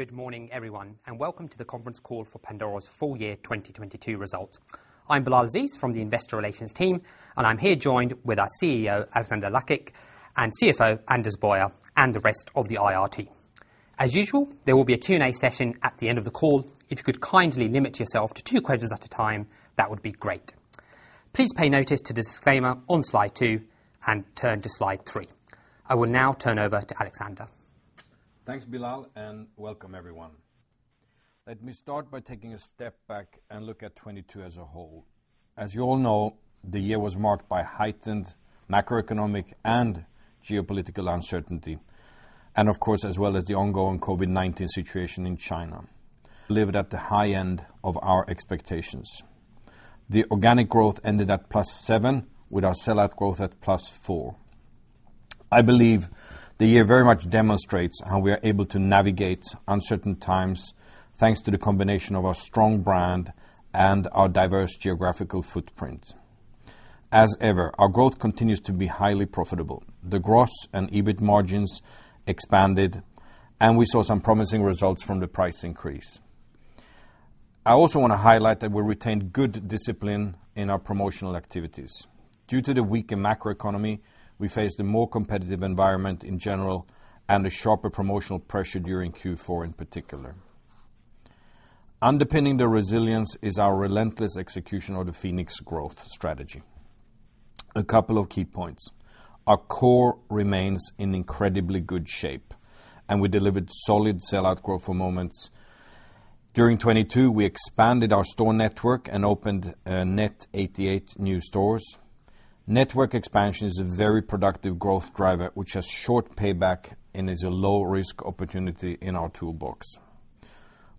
Good morning, everyone, and welcome to the conference call for Pandora's full year 2022 results. I'm Bilal Aziz from the investor relations team, and I'm here joined with our CEO, Alexander Lacik, and CFO, Anders Boyer, and the rest of the IR team. As usual, there will be a Q&A session at the end of the call. If you could kindly limit yourself to two questions at a time, that would be great. Please pay notice to the disclaimer on slide two and turn to slide three. I will now turn over to Alexander. Thanks, Bilal. Welcome everyone. Let me start by taking a step back and look at 2022 as a whole. As you all know, the year was marked by heightened macroeconomic and geopolitical uncertainty, of course, as well as the ongoing COVID-19 situation in China. Delivered at the high end of our expectations. The organic growth ended at +7%, with our sell out growth at +4%. I believe the year very much demonstrates how we are able to navigate uncertain times, thanks to the combination of our strong brand and our diverse geographical footprint. As ever, our growth continues to be highly profitable. The gross and EBIT margins expanded. We saw some promising results from the price increase. I also want to highlight that we retained good discipline in our promotional activities. Due to the weaker macroeconomy, we faced a more competitive environment in general and a sharper promotional pressure during Q4 in particular. Underpinning the resilience is our relentless execution of the Phoenix growth strategy. A couple of key points. Our core remains in incredibly good shape. We delivered solid sell out growth for Moments. During 2022, we expanded our store network. We opened a net 88 new stores. Network expansion is a very productive growth driver which has short payback and is a low risk opportunity in our toolbox.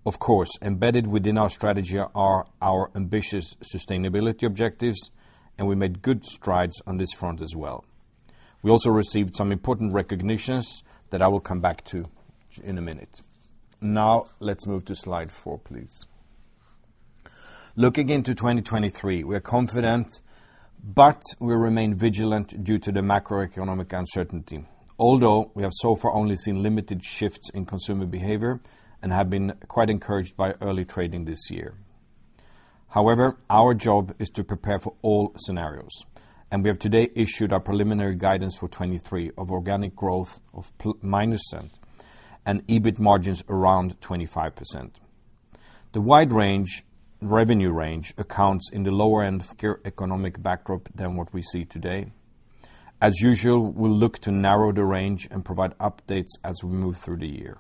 Of course, embedded within our strategy are our ambitious sustainability objectives. We made good strides on this front as well. We also received some important recognitions that I will come back to in a minute. Now let's move to slide four, please. Looking into 2023, we are confident. We remain vigilant due to the macroeconomic uncertainty. Although we have so far only seen limited shifts in consumer behavior and have been quite encouraged by early trading this year. Our job is to prepare for all scenarios, and we have today issued our preliminary guidance for 2023 of organic growth of -7% and EBIT margins around 25%. The revenue range accounts in the lower end of economic backdrop than what we see today. As usual, we'll look to narrow the range and provide updates as we move through the year.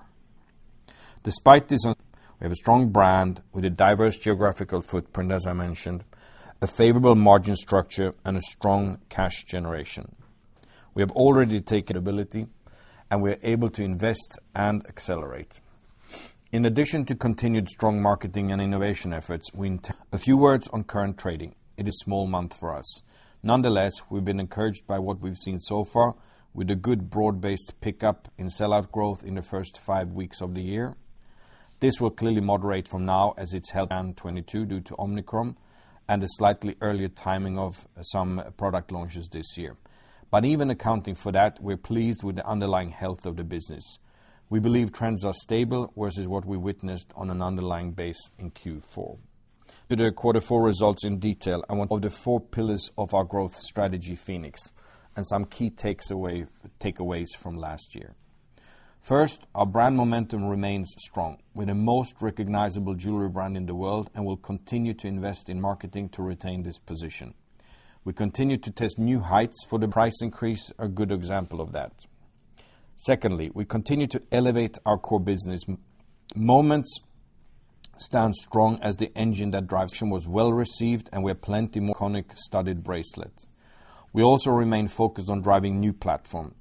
Despite this, we have a strong brand with a diverse geographical footprint, as I mentioned, a favorable margin structure and a strong cash generation. We have already taken ability, and we are able to invest and accelerate. In addition to continued strong marketing and innovation efforts. A few words on current trading. It is small month for us. Nonetheless, we've been encouraged by what we've seen so far with a good broad-based pickup in sell out growth in the first five weeks of the year. This will clearly moderate from now as it's held in 2022 due to Omicron and a slightly earlier timing of some product launches this year. Even accounting for that, we're pleased with the underlying health of the business. We believe trends are stable versus what we witnessed on an underlying base in Q4. To the quarter four results in detail, I want all the four pillars of our growth strategy, Phoenix, and some key takeaways from last year. First, our brand momentum remains strong. We're the most recognizable jewelry brand in the world and will continue to invest in marketing to retain this position. We continue to test new heights for the price increase, a good example of that. Secondly, we continue to elevate our core business. Moments stand strong as the engine that drives... Was well received, and we have plenty more... iconic studded bracelet. We also remain focused on driving new platforms,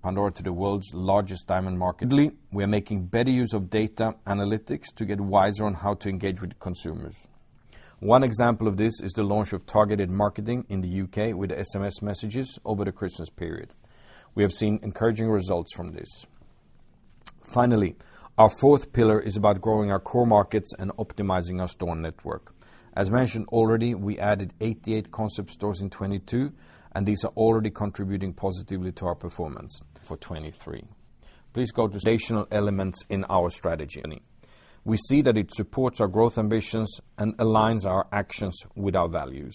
Pandora to the world's largest diamond market. We are making better use of data analytics to get wiser on how to engage with consumers. One example of this is the launch of targeted marketing in the UK with SMS messages over the Christmas period. We have seen encouraging results from this. Finally, our fourth pillar is about growing our core markets and optimizing our store network. As mentioned already, we added 88 concept stores in 2022, and these are already contributing positively to our performance for 2023. Please go to... Additional elements in our strategy. We see that it supports our growth ambitions and aligns our actions with our values.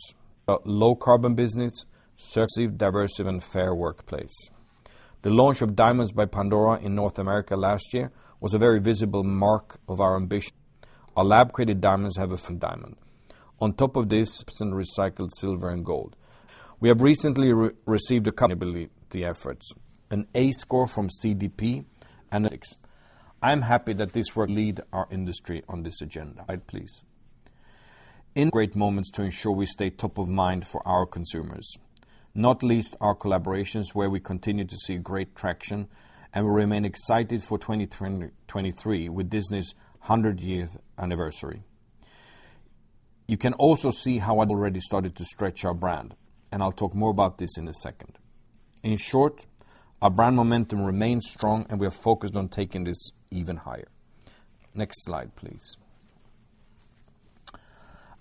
Low carbon business, successive, diverse, and fair workplace. The launch of Diamonds by Pandora in North America last year was a very visible mark of our ambition. Our lab-created diamonds have a diamond. On top of this, some recycled silver and gold. We have recently re-received the efforts, an A score from CDP. I'm happy that this will lead our industry on this agenda. Please. In great Moments to ensure we stay top of mind for our consumers, not least our collaborations, where we continue to see great traction, and we remain excited for 2023 with Disney's 100-year anniversary. You can also see how I'd already started to stretch our brand, and I'll talk more about this in a second. In short, our brand momentum remains strong, and we are focused on taking this even higher. Next slide, please.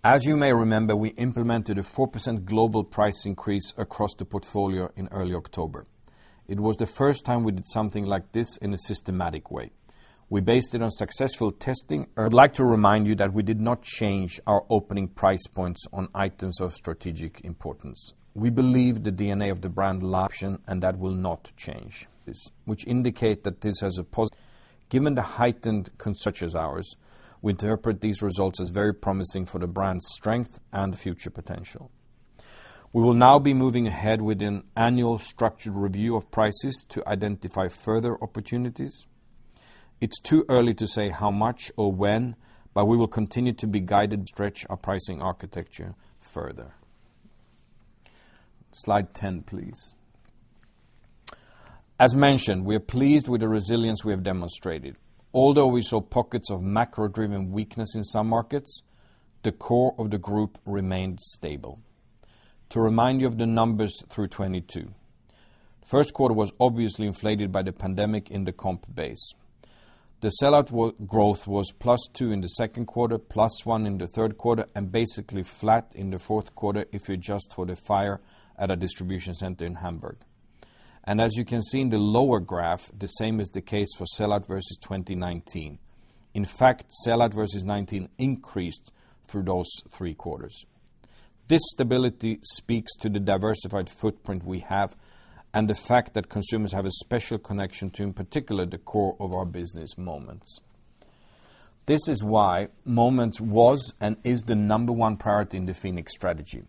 As you may remember, we implemented a 4% global price increase across the portfolio in early October. It was the first time we did something like this in a systematic way. We based it on successful testing. I'd like to remind you that we did not change our opening price points on items of strategic importance. We believe the DNA of the brand and that will not change. This which indicate that this has Given the heightened such as ours, we interpret these results as very promising for the brand strength and future potential. We will now be moving ahead with an annual structured review of prices to identify further opportunities. It's too early to say how much or when. We will continue to be guided, stretch our pricing architecture further. Slide 10, please. As mentioned, we are pleased with the resilience we have demonstrated. Although we saw pockets of macro-driven weakness in some markets, the core of the group remained stable. To remind you of the numbers through 2022. First quarter was obviously inflated by the pandemic in the comp base. The sellout growth was +2% in the second quarter, +1% in the third quarter, basically flat in the fourth quarter if you adjust for the fire at a distribution center in Hamburg. As you can see in the lower graph, the same is the case for sellout versus 2019. In fact, sellout versus 2019 increased through those three quarters. This stability speaks to the diversified footprint we have and the fact that consumers have a special connection to, in particular, the core of our business Moments. This is why Moments was and is the number one priority in the Phoenix strategy.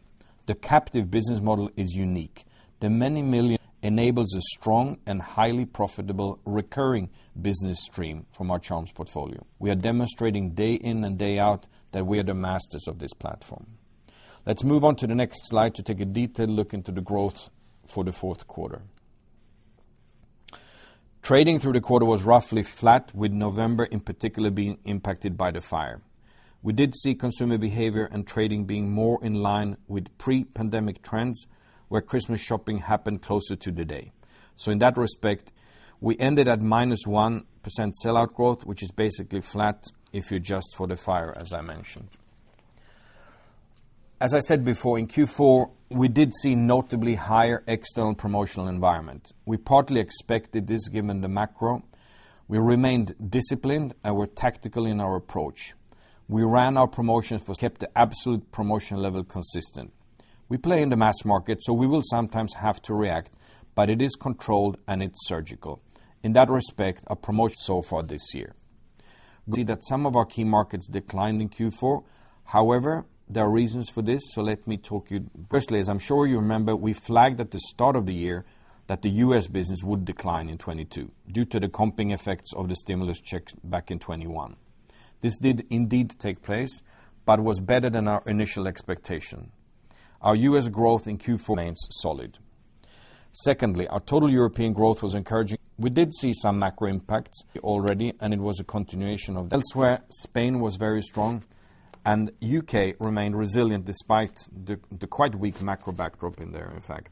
The captive business model is unique. The many million enables a strong and highly profitable recurring business stream from our charms portfolio. We are demonstrating day in and day out that we are the masters of this platform. Let's move on to the next slide to take a detailed look into the growth for the fourth quarter. Trading through the quarter was roughly flat with November in particular being impacted by the fire. We did see consumer behavior and trading being more in line with pre-pandemic trends, where Christmas shopping happened closer to the day. In that respect, we ended at -1% sellout growth, which is basically flat if you adjust for the fire, as I mentioned. As I said before, in Q4, we did see notably higher external promotional environment. We partly expected this given the macro. We remained disciplined and were tactical in our approach. We ran our promotions, kept the absolute promotion level consistent. We play in the mass market, we will sometimes have to react, but it is controlled and it's surgical. In that respect, our promotions so far this year. We see that some of our key markets declined in Q4. There are reasons for this, let me talk you. As I'm sure you remember, we flagged at the start of the year that the U.S. business would decline in 22 due to the comping effects of the stimulus checks back in 21. This did indeed take place, was better than our initial expectation. Our U.S. growth in Q4 remains solid. Our total European growth was encouraging. We did see some macro impacts already, it was a continuation of... Elsewhere, Spain was very strong and U.K. remained resilient despite the quite weak macro backdrop in there, in fact.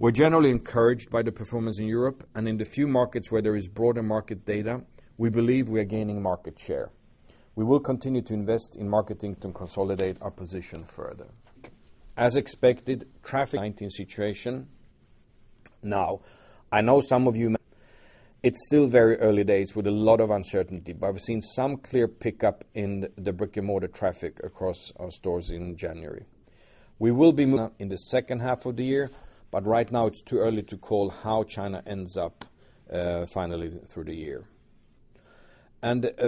We're generally encouraged by the performance in Europe and in the few markets where there is broader market data, we believe we are gaining market share. We will continue to invest in marketing to consolidate our position further. As expected, traffic 19 situation. It's still very early days with a lot of uncertainty, but we've seen some clear pickup in the brick-and-mortar traffic across our stores in January. We will be in the second half of the year, but right now it's too early to call how China ends up finally through the year.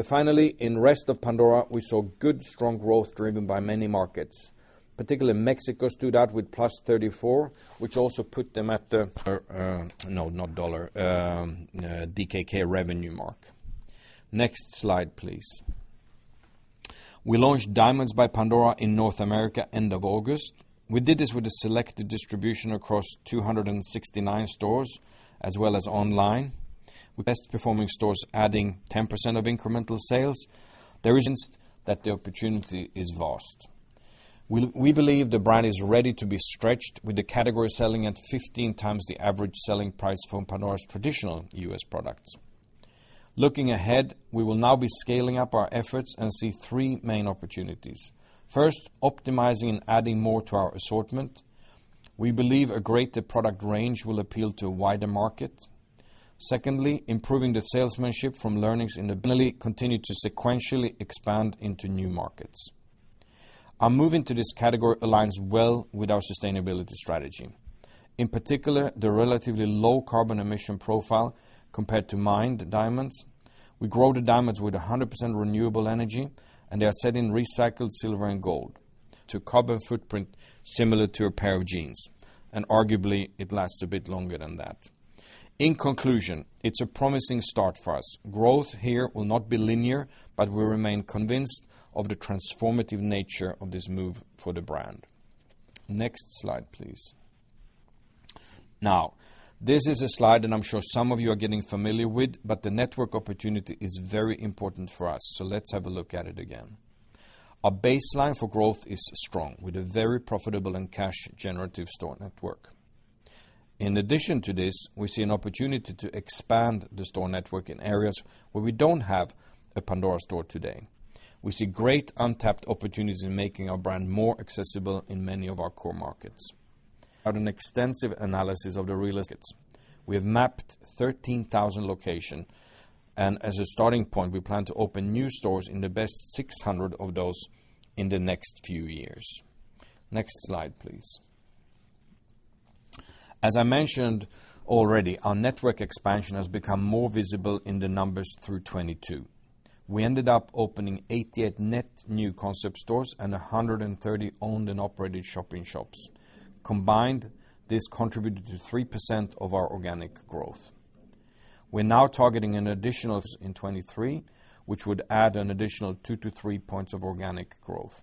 Finally, in rest of Pandora, we saw good strong growth driven by many markets, particularly Mexico stood out with +34%, which also put them at the, no, not dollar, DKK revenue mark. Next slide, please. We launched Diamonds by Pandora in North America end of August. We did this with a selected distribution across 269 stores as well as online. Best performing stores adding 10% of incremental sales. There is the opportunity is vast. We believe the brand is ready to be stretched with the category selling at 15 times the average selling price from Pandora's traditional U.S. products. Looking ahead, we will now be scaling up our efforts and see three main opportunities. First, optimizing and adding more to our assortment. We believe a greater product range will appeal to a wider market. Secondly, improving the salesmanship from learnings in the... Continue to sequentially expand into new markets. Our move into this category aligns well with our sustainability strategy. In particular, the relatively low carbon emission profile compared to mined diamonds. We grow the diamonds with 100% renewable energy, and they are set in recycled silver and gold. To carbon footprint similar to a pair of jeans, and arguably it lasts a bit longer than that. In conclusion, it's a promising start for us. Growth here will not be linear, but we remain convinced of the transformative nature of this move for the brand. Next slide, please. This is a slide that I'm sure some of you are getting familiar with, but the network opportunity is very important for us, so let's have a look at it again. Our baseline for growth is strong with a very profitable and cash generative store network. In addition to this, we see an opportunity to expand the store network in areas where we don't have a Pandora store today. We see great untapped opportunities in making our brand more accessible in many of our core markets. As a starting point, we have mapped 13,000 location, and we plan to open new stores in the best 600 of those in the next few years. Next slide, please. As I mentioned already, our network expansion has become more visible in the numbers through 2022. We ended up opening 88 net new concept stores and 130 owned and operated shopping shops. Combined, this contributed to 3% of our organic growth. We're now targeting an additional in 2023, which would add an additional two to three points of organic growth.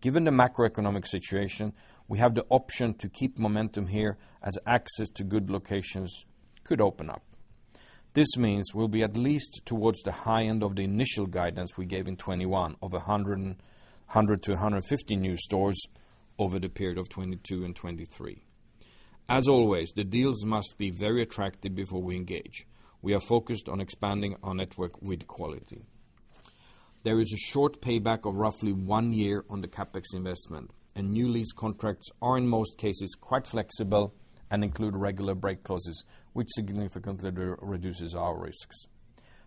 Given the macroeconomic situation, we have the option to keep momentum here as access to good locations could open up. This means we'll be at least towards the high end of the initial guidance we gave in 2021 of 100 to 150 new stores over the period of 2022 and 2023. As always, the deals must be very attractive before we engage. We are focused on expanding our network with quality. There is a short payback of roughly one year on the CapEx investment, and new lease contracts are, in most cases, quite flexible and include regular break clauses, which significantly reduces our risks.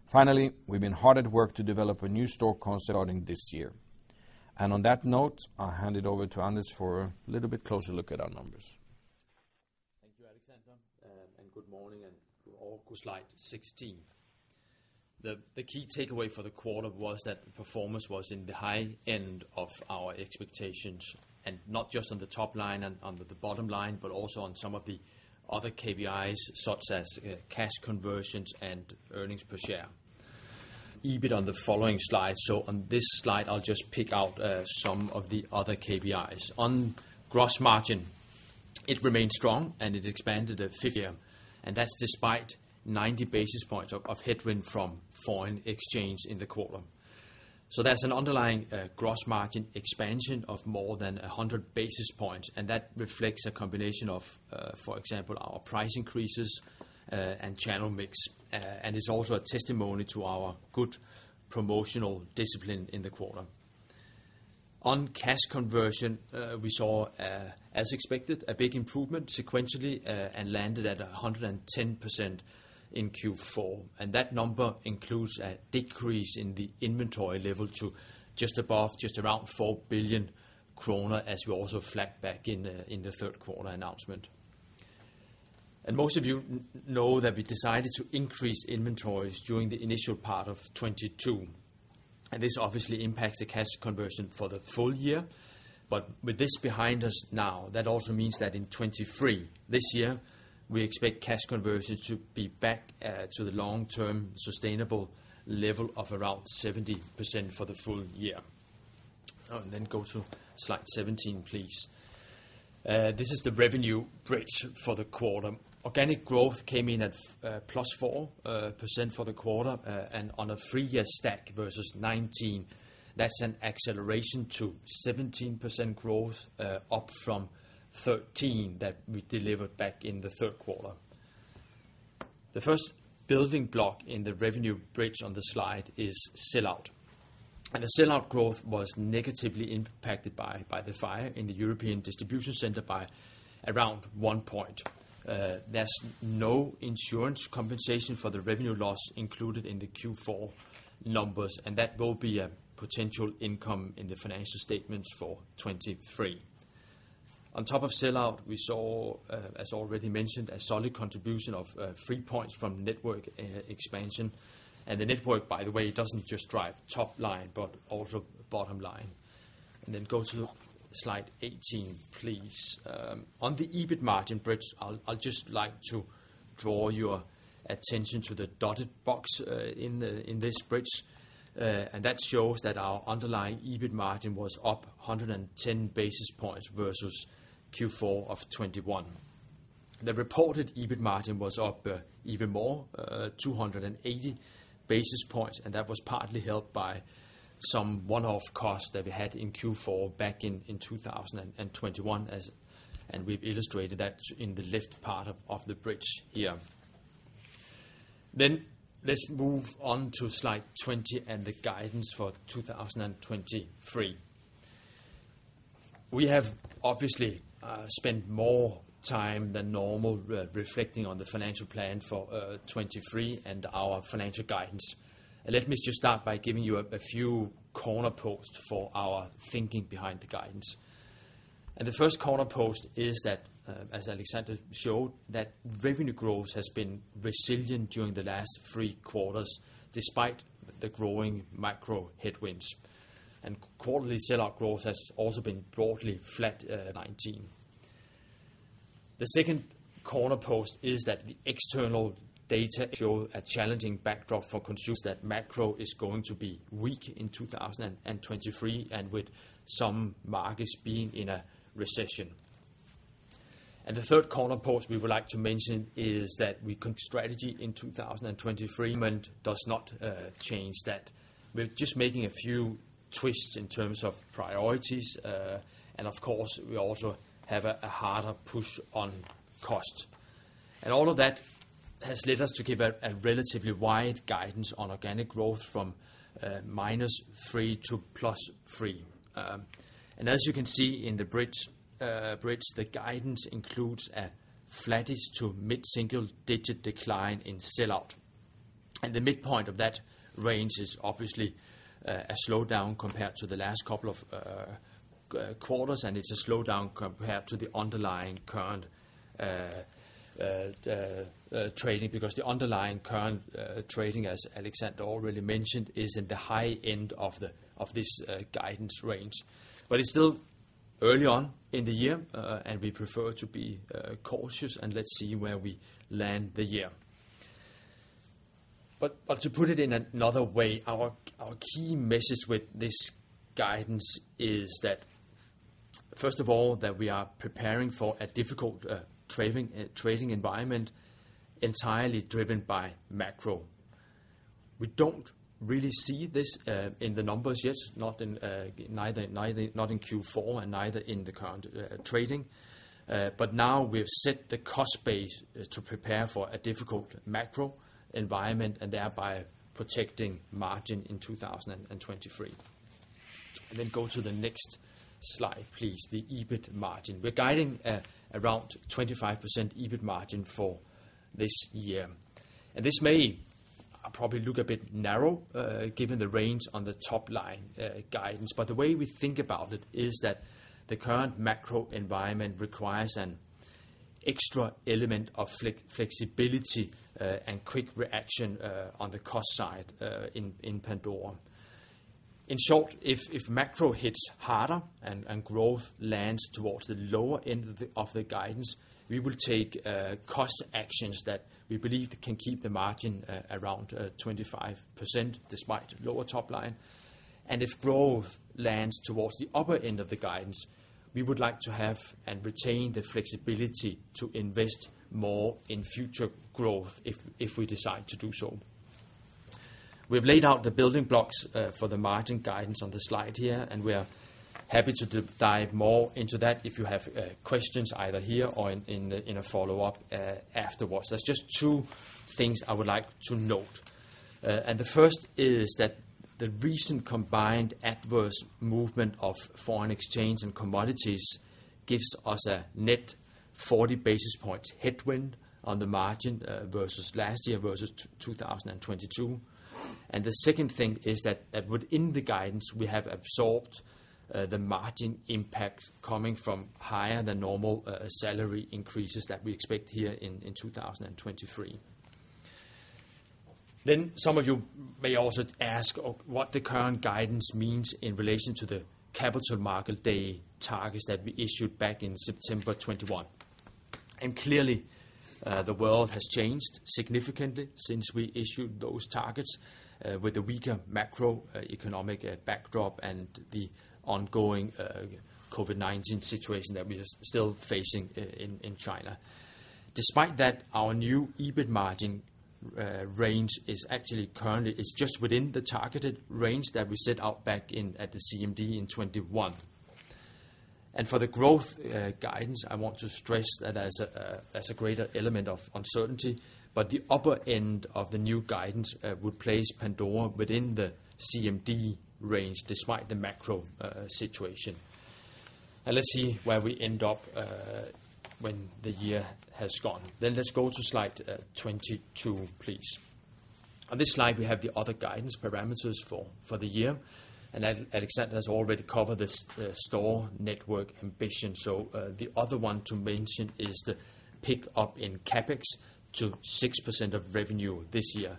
Finally, we've been hard at work to develop a new store concept starting this year. On that note, I'll hand it over to Anders for a little bit closer look at our numbers. Thank you, Alexander, good morning and go to slide 16. The key takeaway for the quarter was that the performance was in the high end of our expectations, and not just on the top line and under the bottom line, but also on some of the other KPIs, such as cash conversions and earnings per share. EBIT on the following slide. On this slide, I'll just pick out some of the other KPIs. On gross margin, it remained strong, and it expanded a figure, and that's despite 90 basis points of headwind from foreign exchange in the quarter. That's an underlying gross margin expansion of more than 100 basis points, and that reflects a combination of, for example, our price increases and channel mix, and it's also a testimony to our good promotional discipline in the quarter. On cash conversion, we saw, as expected, a big improvement sequentially, and landed at 110% in Q4. That number includes a decrease in the inventory level to just above, just around 4 billion kroner, as we also flagged back in the third quarter announcement. Most of you know that we decided to increase inventories during the initial part of 2022, and this obviously impacts the cash conversion for the full year. With this behind us now, that also means that in 2023, this year, we expect cash conversion to be back to the long-term sustainable level of around 70% for the full year. Go to slide 17, please. This is the revenue bridge for the quarter. Organic growth came in at +4% for the quarter. On a three-year stack versus 2019, that's an acceleration to 17% growth, up from 13 that we delivered back in the third quarter. The first building block in the revenue bridge on the slide is sell out. The sell out growth was negatively impacted by the fire in the European distribution center by around one point. There's no insurance compensation for the revenue loss included in the Q4 numbers, and that will be a potential income in the financial statements for 2023. On top of sell out, we saw as already mentioned, a solid contribution of three points from network e-expansion. The network, by the way, doesn't just drive top line but also bottom line. Go to slide 18, please. On the EBIT margin bridge, I'll just like to draw your attention to the dotted box in this bridge. That shows that our underlying EBIT margin was up 110 basis points versus Q4 of 2021. The reported EBIT margin was up even more, 280 basis points, and that was partly helped by some one-off costs that we had in Q4 back in 2021, and we've illustrated that in the left part of the bridge here. Let's move on to slide 20 and the guidance for 2023. We have obviously spent more time than normal re-reflecting on the financial plan for 2023 and our financial guidance. Let me just start by giving you a few corner posts for our thinking behind the guidance. The first corner post is that, as Alexander showed, that revenue growth has been resilient during the last three quarters, despite the growing macro headwinds. Quarterly sell out growth has also been broadly flat, 19. The second corner post is that the external data show a challenging backdrop for consumers that macro is going to be weak in 2023 and with some markets being in a recession. The third corner post we would like to mention is that we con strategy in 2023, and does not change that. We're just making a few twists in terms of priorities. Of course, we also have a harder push on cost. All of that has led us to give a relatively wide guidance on organic growth from -3% to +3%. As you can see in the bridge, the guidance includes a flattish to mid-single digit decline in sell out. The midpoint of that range is obviously a slowdown compared to the last couple of quarters, and it's a slowdown compared to the underlying current trading because the underlying current trading, as Alexander already mentioned, is in the high end of this guidance range. It's still early on in the year, and we prefer to be cautious, and let's see where we land the year. To put it in another way, our key message with this guidance is that, first of all, that we are preparing for a difficult trading environment entirely driven by macro. We don't really see this in the numbers yet, not in Q4 and neither in the current trading. But now we've set the cost base to prepare for a difficult macro environment and thereby protecting margin in 2023. Then go to the next slide, please, the EBIT margin. We're guiding at around 25% EBIT margin for this year. This may probably look a bit narrow given the range on the top line guidance. The way we think about it is that the current macro environment requires an extra element of flex, flexibility, and quick reaction on the cost side in Pandora. In short, if macro hits harder and growth lands towards the lower end of the guidance, we will take cost actions that we believe can keep the margin around 25% despite lower top line. If growth lands towards the upper end of the guidance, we would like to have and retain the flexibility to invest more in future growth if we decide to do so. We have laid out the building blocks for the margin guidance on the slide here, and we are happy to dive more into that if you have questions either here or in the, in a follow-up afterwards. There's just two things I would like to note. The first is that the recent combined adverse movement of foreign exchange and commodities gives us a net 40 basis points headwind on the margin versus last year, versus 2022. The second thing is that within the guidance, we have absorbed the margin impact coming from higher than normal salary increases that we expect here in 2023. Some of you may also ask of what the current guidance means in relation to the Capital Markets Day targets that we issued back in September 2021. Clearly, the world has changed significantly since we issued those targets with the weaker macroeconomic backdrop and the ongoing COVID-19 situation that we are still facing in China. Despite that, our new EBIT margin range is actually currently just within the targeted range that we set out back in at the CMD in 2021. For the growth guidance, I want to stress that there's a greater element of uncertainty. The upper end of the new guidance would place Pandora within the CMD range despite the macro situation. Let's see where we end up when the year has gone. Let's go to slide 22, please. On this slide, we have the other guidance parameters for the year. As Alexander has already covered this, the store network ambition. The other one to mention is the pick-up in CapEx to 6% of revenue this year.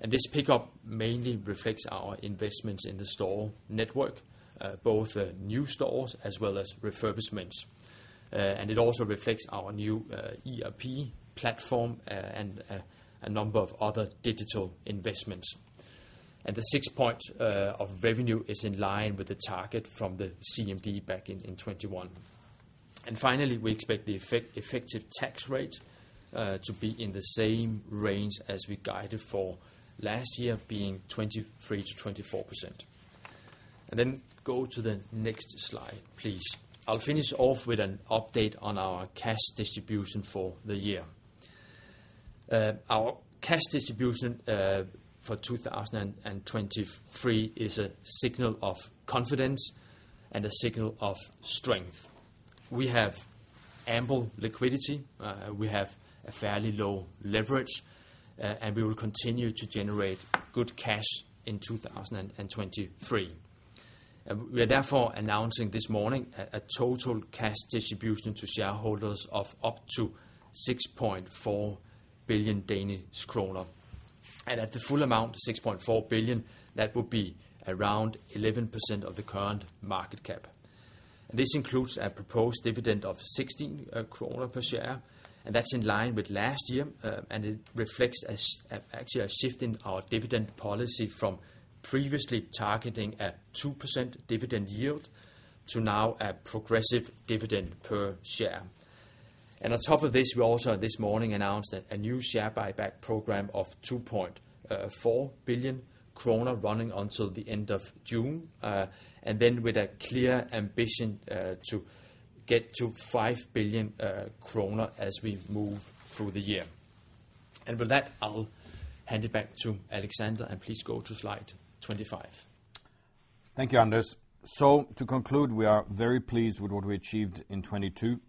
This pick-up mainly reflects our investments in the store network, both new stores as well as refurbishments. It also reflects our new ERP platform and a number of other digital investments. The six points of revenue is in line with the target from the CMD back in 2021. Finally, we expect the effective tax rate to be in the same range as we guided for last year being 23%-24%. Go to the next slide, please. I'll finish off with an update on our cash distribution for the year. Our cash distribution for 2023 is a signal of confidence and a signal of strength. We have ample liquidity, we have a fairly low leverage, and we will continue to generate good cash in 2023. We are therefore announcing this morning a total cash distribution to shareholders of up to 6.4 billion Danish kroner. At the full amount, 6.4 billion, that would be around 11% of the current market cap. This includes a proposed dividend of 16 kroner per share, and that's in line with last year, and it reflects actually a shift in our dividend policy from previously targeting a 2% dividend yield to now a progressive dividend per share. On top of this, we also this morning announced a new share buyback program of 2.4 billion kroner running until the end of June. With a clear ambition to get to 5 billion kroner as we move through the year. With that, I'll hand it back to Alexander, and please go to slide 25. Thank you, Anders. To conclude, we are very pleased with what we achieved in 2022,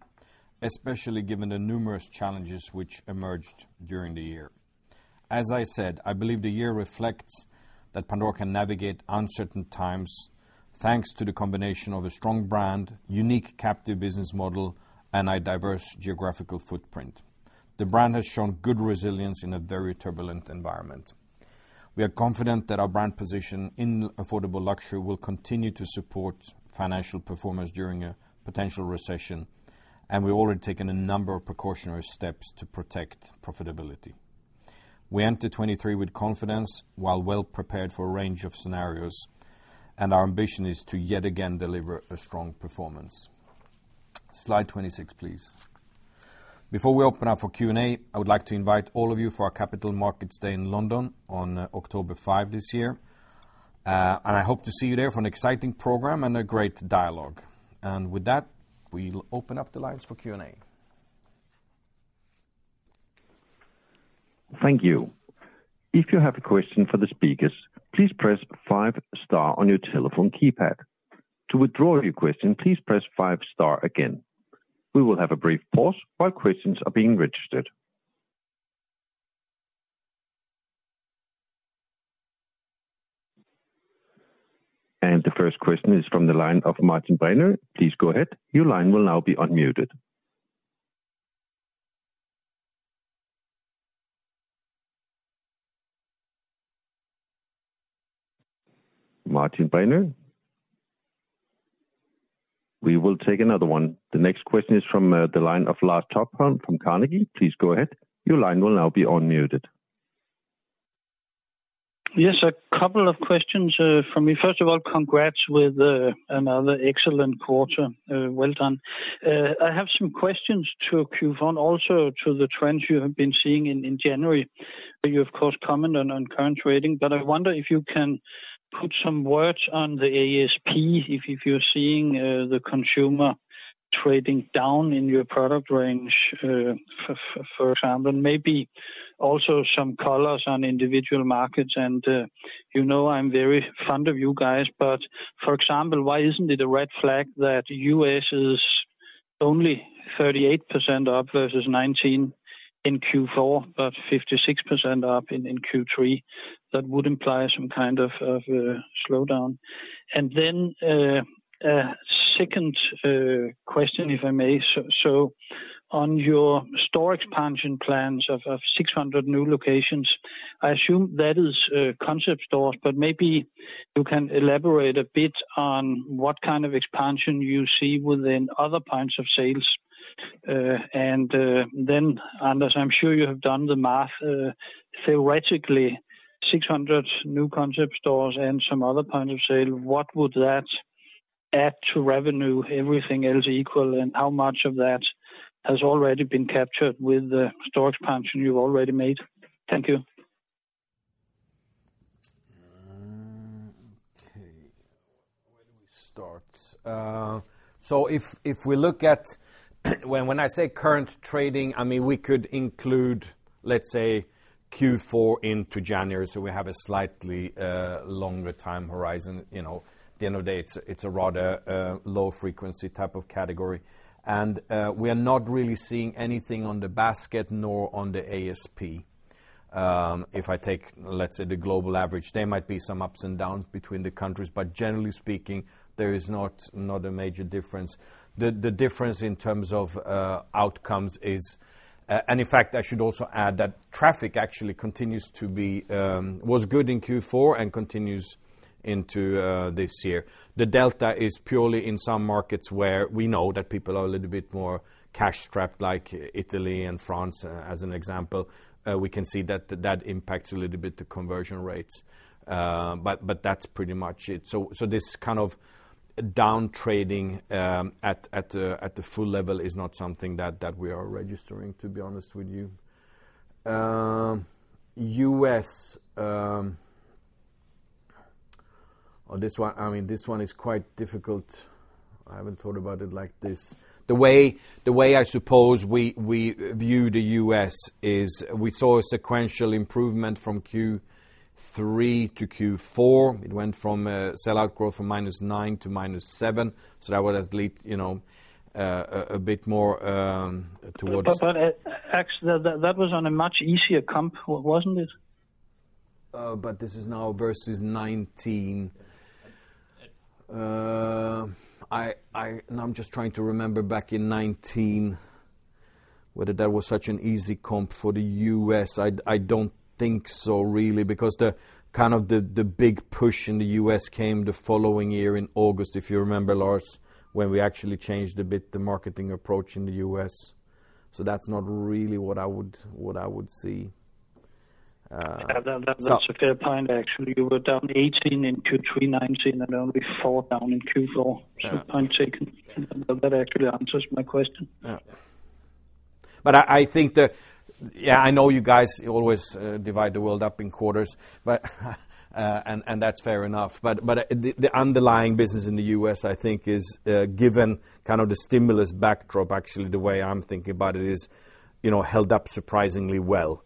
especially given the numerous challenges which emerged during the year. As I said, I believe the year reflects that Pandora can navigate uncertain times, thanks to the combination of a strong brand, unique captive business model, and a diverse geographical footprint. The brand has shown good resilience in a very turbulent environment. We are confident that our brand position in affordable luxury will continue to support financial performance during a potential recession. We've already taken a number of precautionary steps to protect profitability. We enter 2023 with confidence while well prepared for a range of scenarios. Our ambition is to yet again deliver a strong performance. Slide 26, please. Before we open up for Q&A, I would like to invite all of you for our Capital Markets Day in London on October 5 this year. I hope to see you there for an exciting program and a great dialogue. With that, we'll open up the lines for Q&A. Thank you. If you have a question for the speakers, please press five star on your telephone keypad. To withdraw your question, please press five star again. We will have a brief pause while questions are being registered. The first question is from the line of Martin Brenoe. Please go ahead. Your line will now be unmuted. Martin Brenoe? We will take another one. The next question is from the line of Lars Topholm from Carnegie. Please go ahead. Your line will now be unmuted. Yes, a couple of questions from me. First of all, congrats with another excellent quarter. Well done. I have some questions to cue from also to the trends you have been seeing in January. You of course comment on current trading, but I wonder if you can put some words on the ASP if you're seeing the consumer trading down in your product range for example, maybe also some colors on individual markets. You know, I'm very fond of you guys, but for example, why isn't it a red flag that U.S. is only 38% up versus 2019 in Q4, but 56% up in Q3? That would imply some kind of slowdown. A second question, if I may. On your store expansion plans of 600 new locations, I assume that is concept stores, but maybe you can elaborate a bit on what kind of expansion you see within other points of sales. Then, Anders, I'm sure you have done the math, theoretically 600 new concept stores and some other point of sale, what would that add to revenue, everything else equal, and how much of that has already been captured with the store expansion you've already made? Thank you. Okay. Where do we start? When I say current trading, I mean, we could include, let's say, Q4 into January, so we have a slightly longer time horizon. You know, at the end of the day, it's a rather low-frequency type of category. We are not really seeing anything on the basket nor on the ASP. If I take, let's say, the global average, there might be some ups and downs between the countries, but generally speaking, there is not a major difference. The difference in terms of outcomes is, and in fact, I should also add that traffic actually continues to be, was good in Q4 and continues into this year. The delta is purely in some markets where we know that people are a little bit more cash-strapped, like Italy and France, as an example. We can see that that impacts a little bit the conversion rates. But that's pretty much it. This kind of down trading at the full level is not something that we are registering, to be honest with you. Oh, this one, I mean, this one is quite difficult. I haven't thought about it like this. The way I suppose we view the U.S. is we saw a sequential improvement from Q3 to Q4. It went from sellout growth from -9 to -7. That would have led, you know, a bit more. That was on a much easier comp, wasn't it? This is now versus 2019. Now I'm just trying to remember back in 2019 whether that was such an easy comp for the US. I don't think so really, because the, kind of the big push in the US came the following year in August, if you remember, Lars, when we actually changed a bit the marketing approach in the US. That's not really what I would see. Yeah, that's a fair point, actually. You were down 18% in Q3 2019, and only 4% down in Q4. Yeah. Point taken. That actually answers my question. Yeah. I know you guys always divide the world up in quarters, that's fair enough. The underlying business in the US, I think is, given kind of the stimulus backdrop, actually, the way I'm thinking about it is, you know, held up surprisingly well.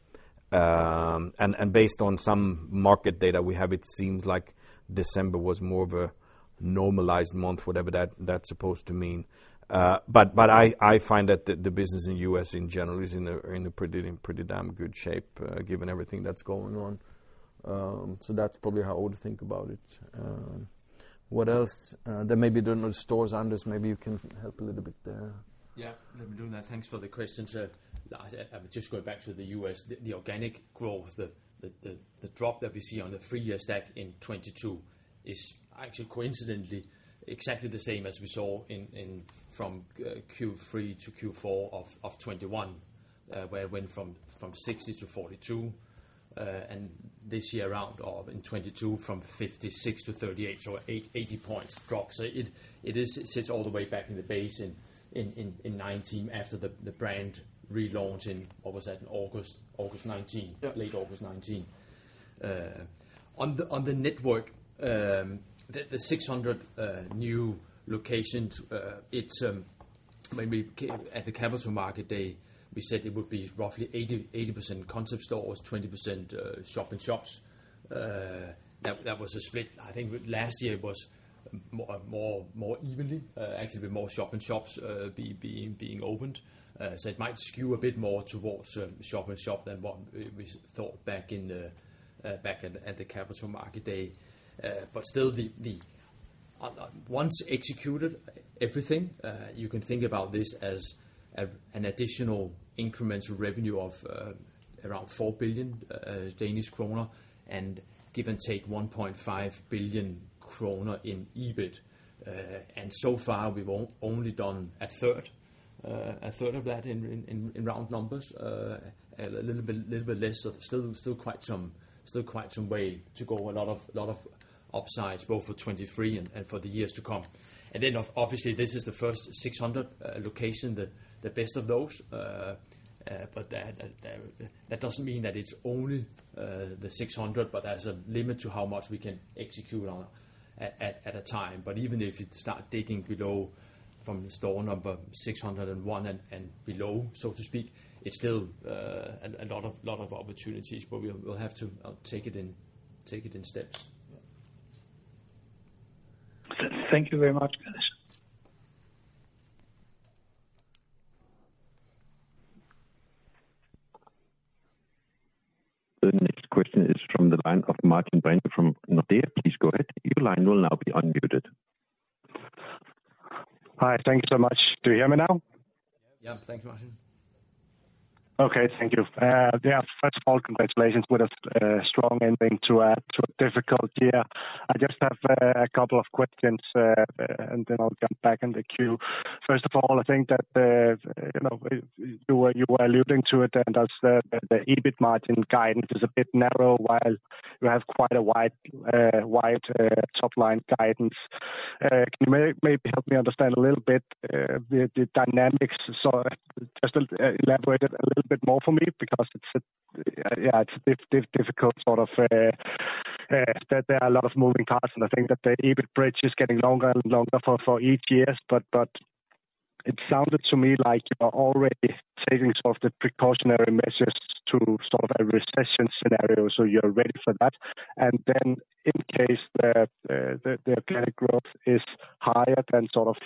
Based on some market data we have, it seems like December was more of a normalized month, whatever that's supposed to mean. I find that the business in US in general is in a pretty damn good shape, given everything that's going on. That's probably how I would think about it. What else? There may be stores, Anders. Maybe you can help a little bit there. Yeah. Let me do that. Thanks for the question, sir. I will just go back to the U.S. The organic growth, the drop that we see on the three-year stack in 2022 is actually coincidentally exactly the same as we saw in from Q3 to Q4 of 2021, where it went from 60 to 42. This year around of in 2022 from 56 to 38, so 80 points drop. It sits all the way back in the base in 2019 after the brand relaunch in, what was that? In August 2019. Yeah. Late August 2019. On the network, the 600 new locations, it's maybe at the Capital Markets Day, we said it would be roughly 80% concept stores, 20% shop-in-shops. That was a split. I think last year it was more evenly, actually with more shop-in-shops being opened. It might skew a bit more towards shop-in-shop than what we thought back in the back at the Capital Markets Day. Still, once executed everything, you can think about this as an additional incremental revenue of around 4 billion Danish kroner, and give and take 1.5 billion kroner in EBIT. So far we've only done a third, a third of that in round numbers. A little bit less, so still quite some way to go. A lot of upsides both for 23 and for the years to come. Obviously this is the first 600 location, the best of those. That doesn't mean that it's only the 600, but there's a limit to how much we can execute on at a time. Even if you start digging below from the store number 601 and below, so to speak, it's still a lot of opportunities, but we'll have to take it in steps. Yeah. Thank you very much, guys. The next question is from the line of Martin Brenøe from Nordea. Please go ahead. Your line will now be unmuted. Hi. Thank you so much. Do you hear me now? Yeah. Thanks, Martin. Okay. Thank you. Yeah, first of all, congratulations. What a strong ending to a difficult year. I just have a couple of questions, and then I'll get back in the queue. First of all, I think that, you know, you were alluding to it. As the EBIT margin guidance is a bit narrow, while you have quite a wide top-line guidance. Can you maybe help me understand a little bit the dynamics? Just elaborate a little bit more for me, because it's difficult sort of, there are a lot of moving parts, and I think that the EBIT bridge is getting longer and longer for each year. It sounded to me like you're already taking sort of the precautionary measures to sort of a recession scenario, so you're ready for that. In case the, the organic growth is higher than sort of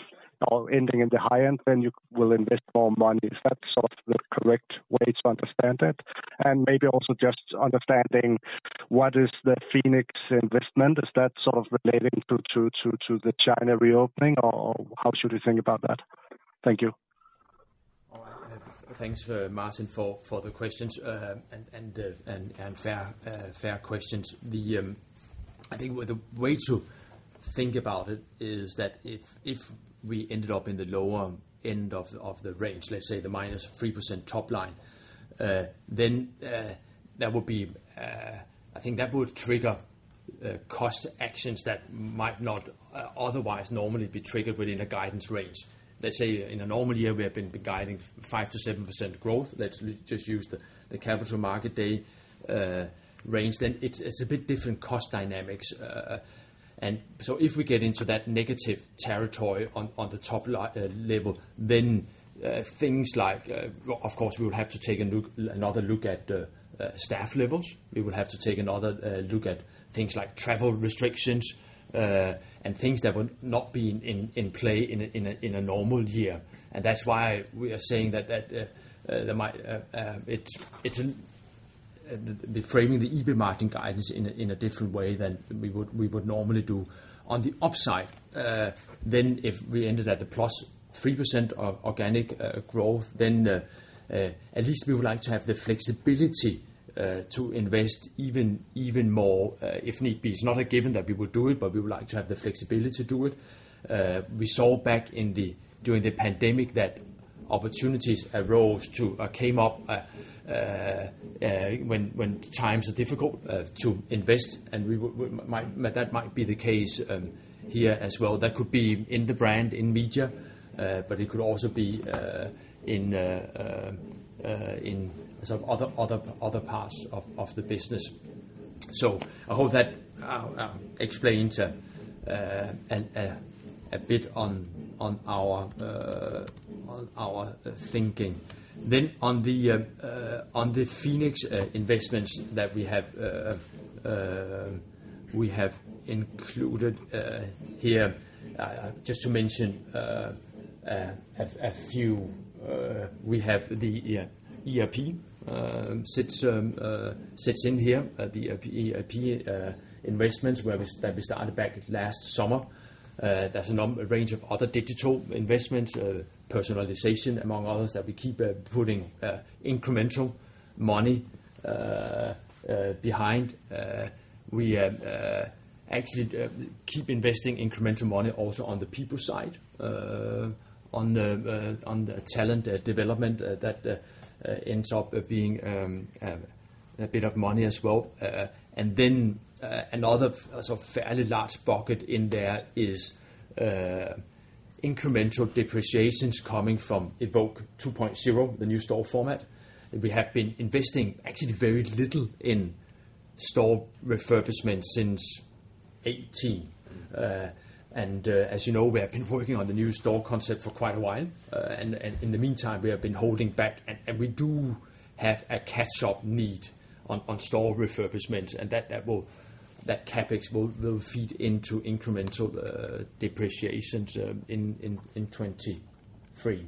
or ending in the high end, then you will invest more money. Is that sort of the correct way to understand it? Maybe also just understanding what is the Phoenix investment, is that sort of relating to the China reopening, or how should we think about that? Thank you. All right. Thanks, Martin, for the questions. Fair questions. I think the way to think about it is that if we ended up in the lower end of the range, let's say the -3% top line, then that would be, I think that would trigger cost actions that might not otherwise normally be triggered within a guidance range. Let's say in a normal year, we have been guiding 5%-7% growth. Let's just use the Capital Markets Day range, then it's a bit different cost dynamics. If we get into that negative territory on the top level, then things like, of course we would have to take another look at staff levels. We would have to take another look at things like travel restrictions, and things that would not be in play in a normal year. That's why we are saying that there might, the framing the EBIT margin guidance in a different way than we would normally do. On the upside, then if we ended at the +3% organic growth, at least we would like to have the flexibility to invest even more if need be. It's not a given that we will do it, but we would like to have the flexibility to do it. We saw back in the, during the pandemic that Opportunities arose to came up when times are difficult to invest, and we might, that might be the case here as well. That could be in the brand, in media, but it could also be in some other parts of the business. I hope that explains a bit on our thinking. On the Phoenix investments that we have included here, just to mention a few, we have the, yeah, ERP sits in here at the ERP investments that we started back last summer. There's a range of other digital investments, personalization among others, that we keep putting incremental money behind. We actually keep investing incremental money also on the people side, on the talent development that ends up being a bit of money as well. Then another sort of fairly large bucket in there is incremental depreciations coming from Evoke 2.0, the new store format, that we have been investing actually very little in store refurbishment since 2018. As you know, we have been working on the new store concept for quite a while. In the meantime, we have been holding back, and we do have a catch-up need on store refurbishment, and that will, that CapEx will feed into incremental depreciations in 2023.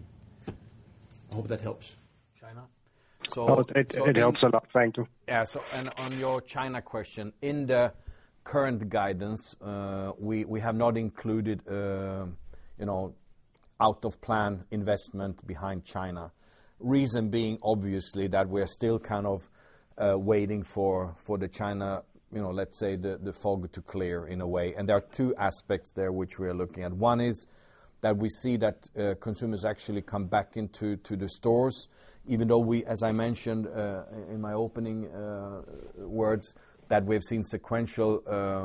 I hope that helps. China? It helps a lot. Thank you. Yeah. On your China question, in the current guidance, we have not included, you know, out-of-plan investment behind China. Reason being, obviously, that we're still kind of waiting for the China, you know, let's say, the fog to clear in a way. There are two aspects there which we are looking at. One is that we see that consumers actually come back into the stores, even though we, as I mentioned, in my opening words, that we've seen sequential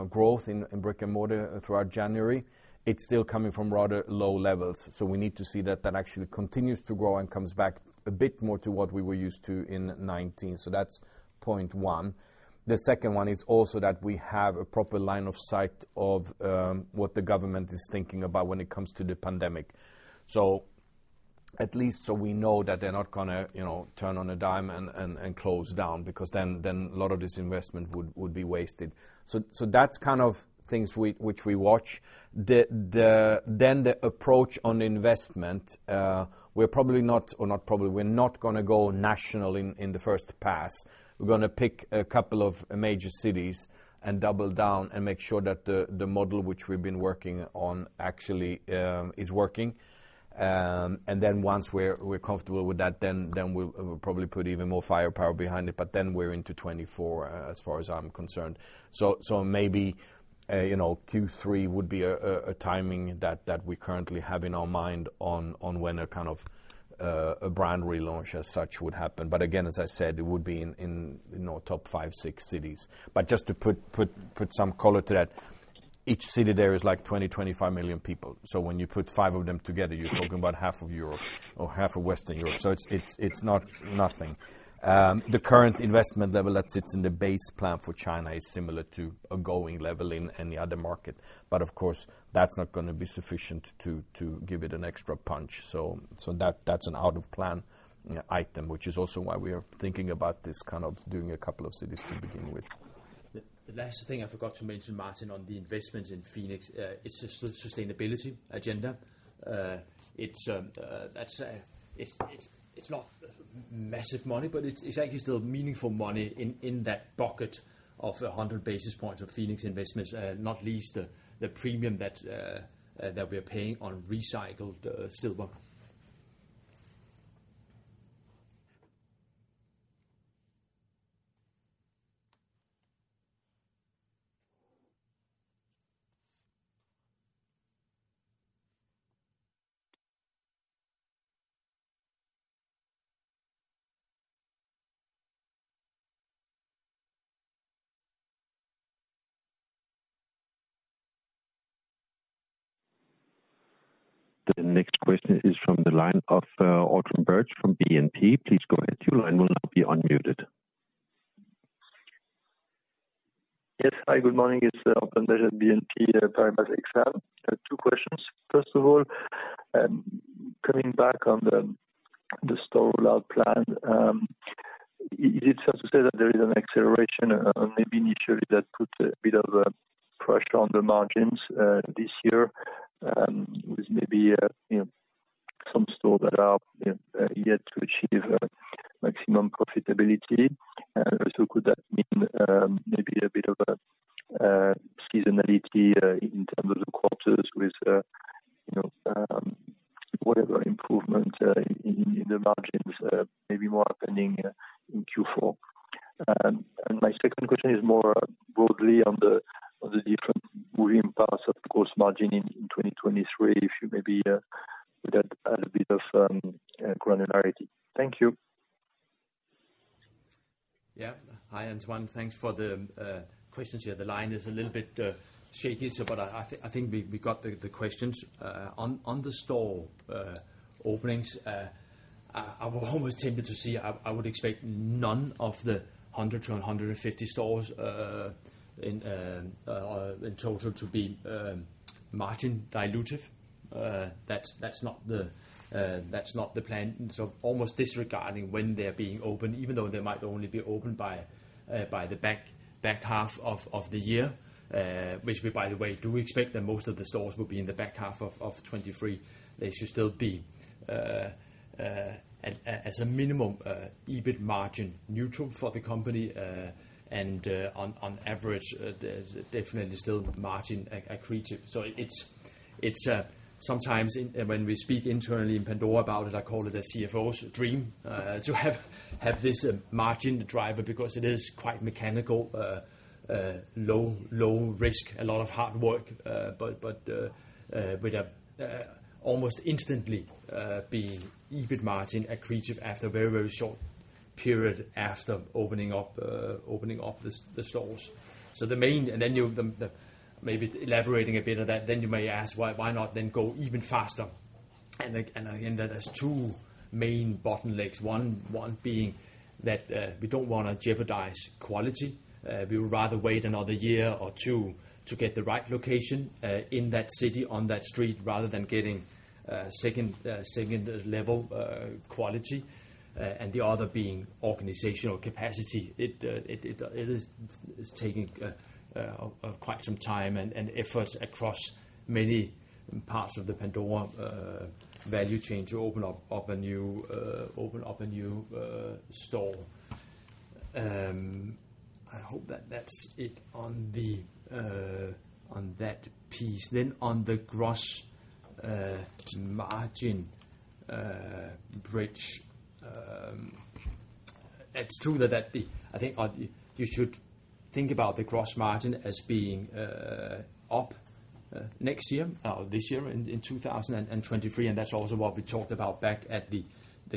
growth in brick-and-mortar throughout January. It's still coming from rather low levels, we need to see that that actually continues to grow and comes back a bit more to what we were used to in 2019. That's point one. The second one is also that we have a proper line of sight of what the government is thinking about when it comes to the pandemic. At least so we know that they're not gonna, you know, turn on a dime and close down because then a lot of this investment would be wasted. That's kind of things which we watch. The approach on investment, we're probably not, or not probably, we're not gonna go national in the first pass. We're gonna pick a couple of major cities and double down and make sure that the model which we've been working on actually is working. Then once we're comfortable with that, then we'll probably put even more firepower behind it. We're into 2024 as far as I'm concerned. Maybe, you know, Q3 would be a timing that we currently have in our mind on when a kind of a brand relaunch as such would happen. Again, as I said, it would be in, you know, top five, six cities. Just to put some color to that, each city there is like 20-25 million people. When you put five of them together, you're talking about half of Europe or half of Western Europe. It's not nothing. The current investment level that sits in the base plan for China is similar to a going level in any other market. Of course, that's not gonna be sufficient to give it an extra punch. So that's an out-of-plan item, which is also why we are thinking about this kind of doing a couple of cities to begin with. The last thing I forgot to mention, Martin, on the investments in Phoenix, is sustainability agenda. It's not massive money, but it's actually still meaningful money in that bucket of 100 basis points of Phoenix investments, not least the premium that we are paying on recycled silver. The next question is from the line of Autun Birch from BNP. Please go ahead. Your line will now be unmuted. Yes. Hi, good morning. It's Autun Birch at BNP Paribas Exane. I have two questions. First of all, coming back on the store rollout plan, is it safe to say that there is an acceleration, maybe initially that puts a bit of pressure on the margins this year, with maybe, you know, some stores that are, you know, yet to achieve maximum profitability? Also could that mean maybe a bit of a seasonality in terms of quarters with, you know, whatever improvement in the margins maybe more happening in Q4? My second question is more broadly on the different moving parts, of course, margin in 2023, if you maybe would add a bit of granularity. Thank you. Yeah. Hi, Antoine. Thanks for the questions here. The line is a little bit shaky, so but I think we got the questions. On the store openings, I was almost tempted to see, I would expect none of the 100-150 stores in total to be margin dilutive. That's not the plan. Almost disregarding when they're being opened, even though they might only be opened by the back half of the year, which we by the way do expect that most of the stores will be in the back half of 2023. They should still be as a minimum EBIT margin neutral for the company and on average there's definitely still margin accretive. It's sometimes when we speak internally in Pandora about it, I call it a CFO's dream to have this margin driver because it is quite mechanical, low risk, a lot of hard work, but with a almost instantly being EBIT margin accretive after a very, very short period after opening up the stores. The main. Then you the maybe elaborating a bit of that, then you may ask why not then go even faster? Again, that is two main bottom lakes. One being that we don't wanna jeopardize quality. We would rather wait another year or two to get the right location in that city, on that street, rather than getting second level quality. It is, it's taking quite some time and efforts across many parts of the Pandora value chain to open up a new, open up a new store. I hope that that's it on the on that piece. On the gross margin bridge, it's true that the... I think you should think about the gross margin as being up next year, this year in 2023, and that's also what we talked about back at the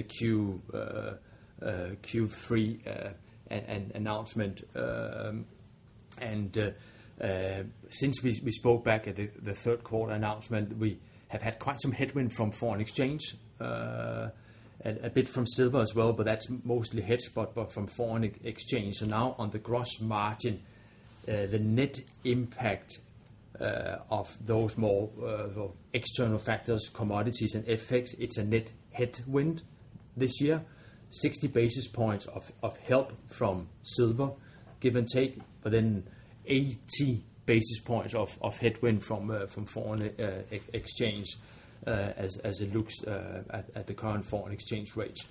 Q Q3 announcement. Since we spoke back at the third quarter announcement, we have had quite some headwind from foreign exchange, a bit from silver as well, but that's mostly head spot, but from foreign exchange. Now on the gross margin, the net impact of those more external factors, commodities and FX, it's a net headwind this year. 60 basis points of help from silver, give and take, 80 basis points of headwind from foreign exchange as it looks at the current foreign exchange rates.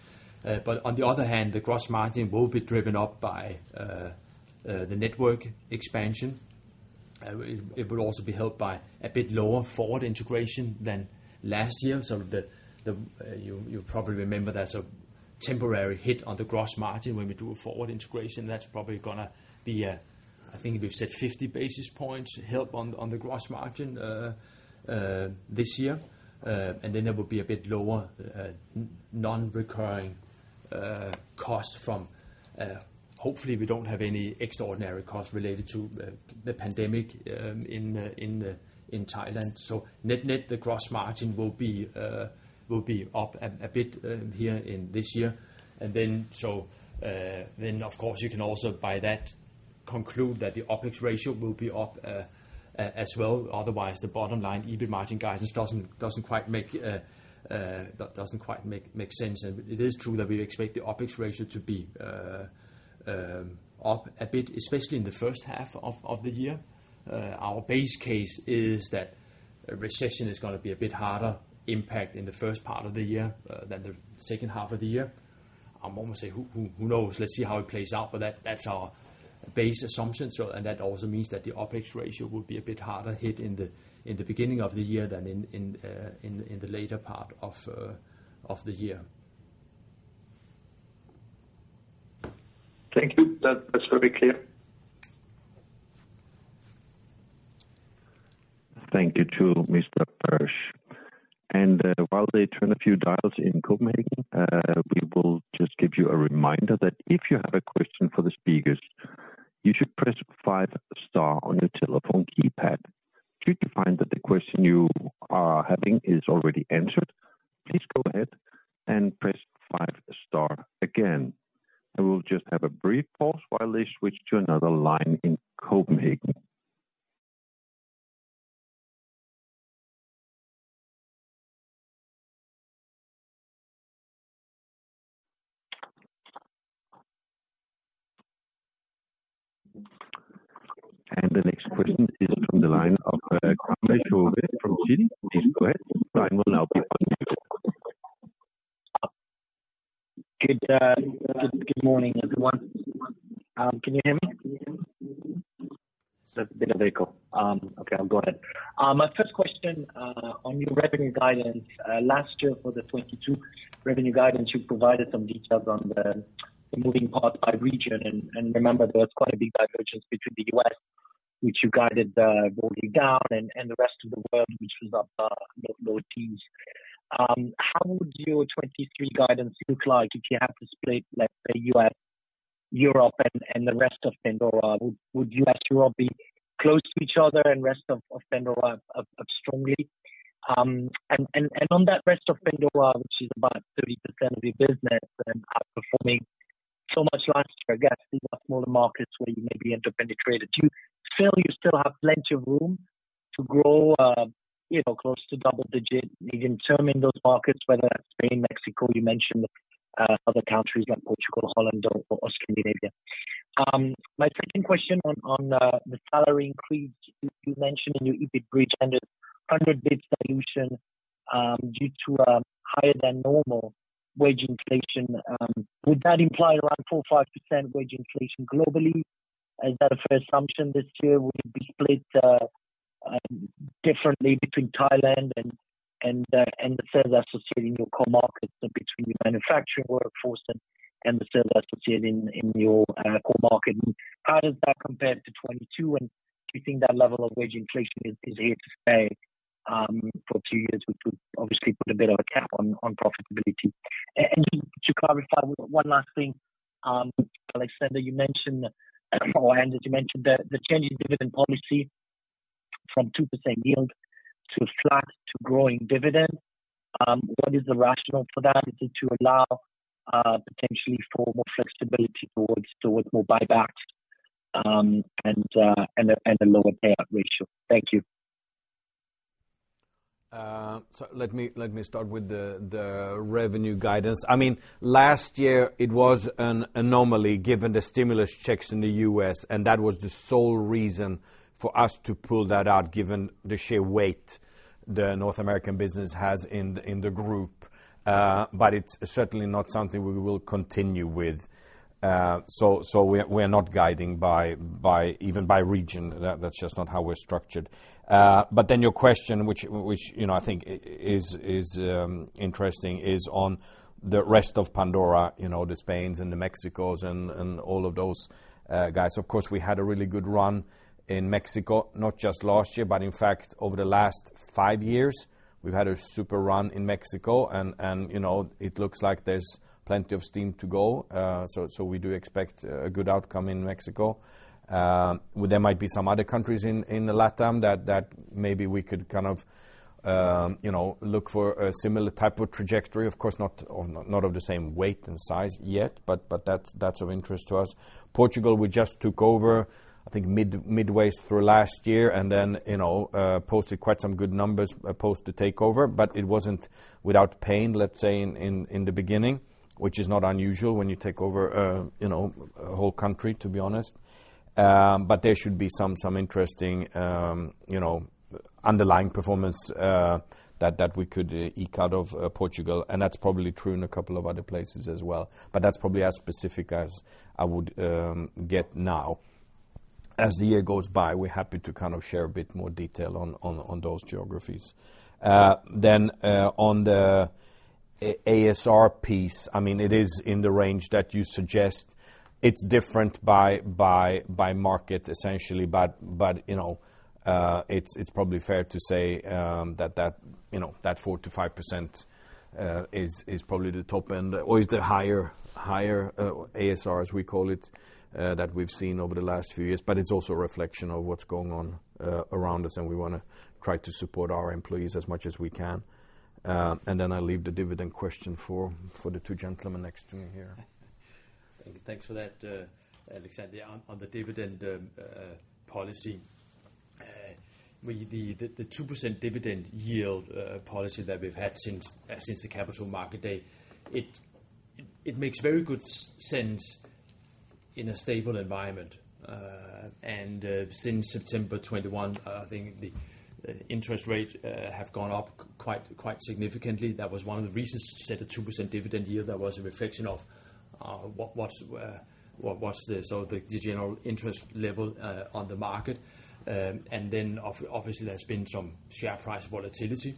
On the other hand, the gross margin will be driven up by the network expansion. It will also be helped by a bit lower forward integration than last year. The, you probably remember there's a temporary hit on the gross margin when we do a forward integration. That's probably gonna be, I think we've said 50 basis points help on the gross margin this year. Then there will be a bit lower non-recurring cost from hopefully we don't have any extraordinary costs related to the pandemic in Thailand. Net-net, the gross margin will be up a bit here in this year. Then of course, you can also by that conclude that the OpEx ratio will be up as well. Otherwise, the bottom line EBIT margin guidance doesn't quite make that doesn't quite make sense. It is true that we expect the OpEx ratio to be up a bit, especially in the first half of the year. Our base case is that a recession is gonna be a bit harder impact in the first part of the year than the second half of the year. I'm almost say, who knows? Let's see how it plays out. That's our base assumption. That also means that the OpEx ratio will be a bit harder hit in the beginning of the year than in the later part of the year. Thank you. That's very clear. Thank you too, Mr. BirchBrenøe. While they turn a few dials in Copenhagen, we will just give you a reminder that if you have a question for the speakers, you should press five star on your telephone keypad. Should you find that the question you are having is already answered, please go ahead and press five star again. We'll just have a brief pause while they switch to another line in Copenhagen. The next question is from the line of Kwame Sowade from Citi. Please go ahead, line will now be put on mute. Good morning, everyone. Can you hear me? Benal. Okay, I'll go ahead. My first question on your revenue guidance. Last year for the 2022 revenue guidance, you provided some details on the moving parts by region. Remember there was quite a big divergence between the US, which you guided broadly down, and the rest of the world, which was up low teens. How would your 2023 guidance look like if you have to split, let's say US, Europe and the rest of Pandora? Would US, Europe be close to each other and rest of Pandora up strongly? On that rest of Pandora, which is about 30% of your business and outperforming so much last year. I guess these are smaller markets where you may be interpenetrated. Do you feel you still have plenty of room to grow, you know, close to double-digit in terms of those markets, whether that's Spain, Mexico, you mentioned, other countries like Portugal, Holland or Scandinavia. My second question on the salary increase. You mentioned in your EBIT bridge and 100 base dilution, due to higher than normal wage inflation. Would that imply around 4% or 5% wage inflation globally? Is that a fair assumption this year? Would it be split differently between Thailand and the sales associated in your core markets between your manufacturing workforce and the sales associated in your core market? How does that compare to 2022? Do you think that level of wage inflation is here to stay for two years, which would obviously put a bit of a cap on profitability? And to clarify one last thing, Alexander, you mentioned, or Anders you mentioned the change in dividend policy from 2% yield to flat to growing dividend. What is the rationale for that? Is it to allow potentially for more flexibility towards more buybacks and a lower payout ratio? Thank you. Let me start with the revenue guidance. I mean, last year it was an anomaly given the stimulus checks in the U.S., and that was the sole reason for us to pull that out, given the sheer weight the North American business has in the group. But it's certainly not something we will continue with. We're not guiding by even by region. That's just not how we're structured. But then your question, which, you know, I think is interesting, is on the rest of Pandora, you know, the Spains and the Mexicos and all of those guys. Of course, we had a really good run in Mexico, not just last year, but in fact over the last five years we've had a super run in Mexico and you know, it looks like there's plenty of steam to go. We do expect a good outcome in Mexico. There might be some other countries in the LatAm that maybe we could kind of, you know, look for a similar type of trajectory. Of course not of the same weight and size yet, but that's of interest to us. Portugal, we just took over, I think midways through last year, and then, you know, posted quite some good numbers post the takeover, but it wasn't without pain, let's say in the beginning, which is not unusual when you take over, you know, a whole country, to be honest. There should be some interesting, you know, underlying performance that we could eke out of Portugal, and that's probably true in a couple of other places as well. That's probably as specific as I would get now. As the year goes by, we're happy to kind of share a bit more detail on those geographies. On the ASR piece, I mean, it is in the range that you suggest. It's different by market essentially. You know, it's probably fair to say, that you know, that 4%-5% is probably the top end or is the higher ASR, as we call it, that we've seen over the last few years. It's also a reflection of what's going on around us, and we wanna try to support our employees as much as we can. Then I'll leave the dividend question for the two gentlemen next to me here. Thanks for that, Alexander. On the dividend policy, we, the 2% dividend yield policy that we've had since the Capital Markets Day, it makes very good sense in a stable environment. Since September 21, I think the interest rate have gone up quite significantly. That was one of the reasons to set a 2% dividend yield. That was a reflection of what was the sort of the general interest level on the market. Obviously there's been some share price volatility.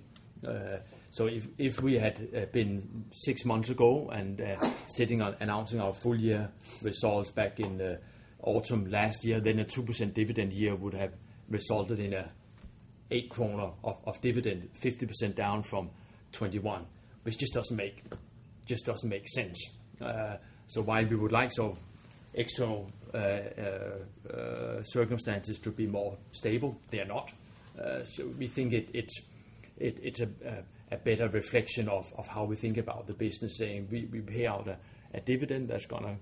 If we had been six months ago and sitting, announcing our full year results back in the autumn last year, then a 2% dividend year would have resulted in 8 kroner of dividend, 50% down from 2021, which just doesn't make sense. While we would like sort of external circumstances to be more stable, they are not. We think it's a better reflection of how we think about the business, saying we pay out a dividend that's gonna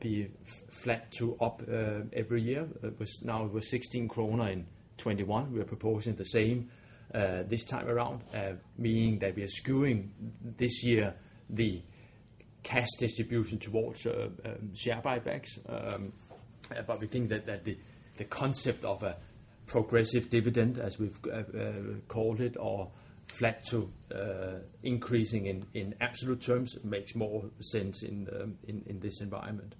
be flat to up every year. It was 16 kroner in 2021. We are proposing the same this time around, meaning that we are skewing this year the cash distribution towards share buybacks. We think that the concept of Progressive dividend, as we've called it, or flat to increasing in absolute terms makes more sense in this environment.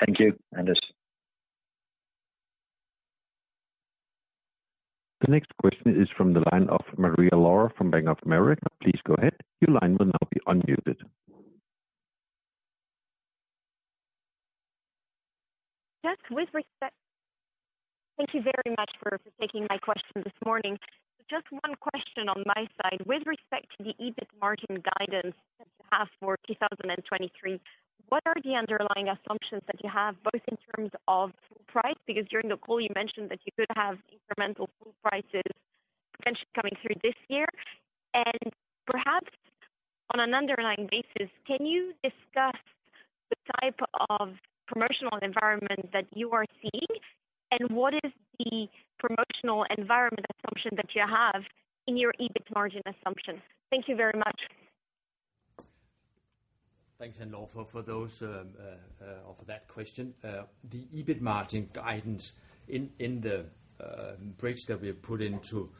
Thank you, Anders. The next question is from the line of Maria Laura from Bank of America. Please go ahead. Your line will now be unmuted. Thank you very much for taking my question this morning. Just one question on my side. With respect to the EBIT margin guidance that you have for 2023, what are the underlying assumptions that you have, both in terms of price, because during the call you mentioned that you could have incremental full prices potentially coming through this year. Perhaps on an underlying basis, can you discuss the type of promotional environment that you are seeing, and what is the promotional environment assumption that you have in your EBIT margin assumption? Thank you very much. Thanks, Anna Laura for those or for that question. The EBIT margin guidance in the breaks that we have put into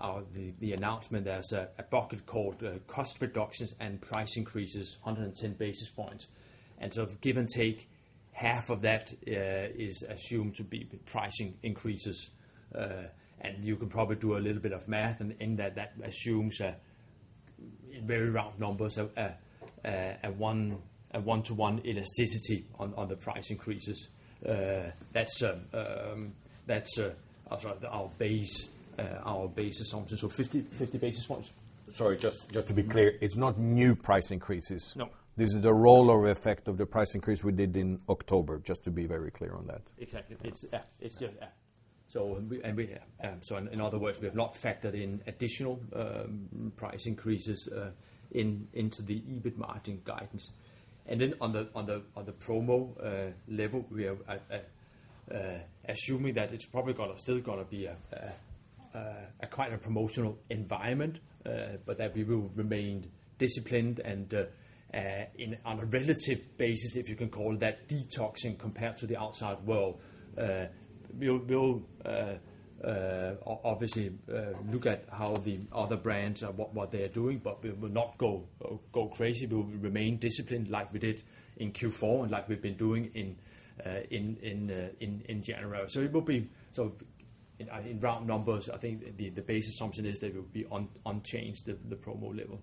our the announcement, there's a bucket called cost reductions and price increases, 110 basis points. Give and take, half of that is assumed to be pricing increases. And you can probably do a little bit of math and in that assumes a very round numbers, a one-to-one elasticity on the price increases. That's our base assumption. So 50 basis points. Sorry, just to be clear, it's not new price increases. No. This is the rollover effect of the price increase we did in October, just to be very clear on that. Exactly. It's, yeah. It's just, yeah. In other words, we have not factored in additional price increases into the EBIT margin guidance. Then on the promo level, we are assuming that it's probably still gonna be a quite a promotional environment, but that we will remain disciplined and in, on a relative basis, if you can call it that, detoxing compared to the outside world. We'll obviously look at how the other brands are, what they are doing, but we will not go crazy. We will remain disciplined like we did in Q4 and like we've been doing in general. In round numbers, I think the base assumption is that it will be unchanged, the promo level.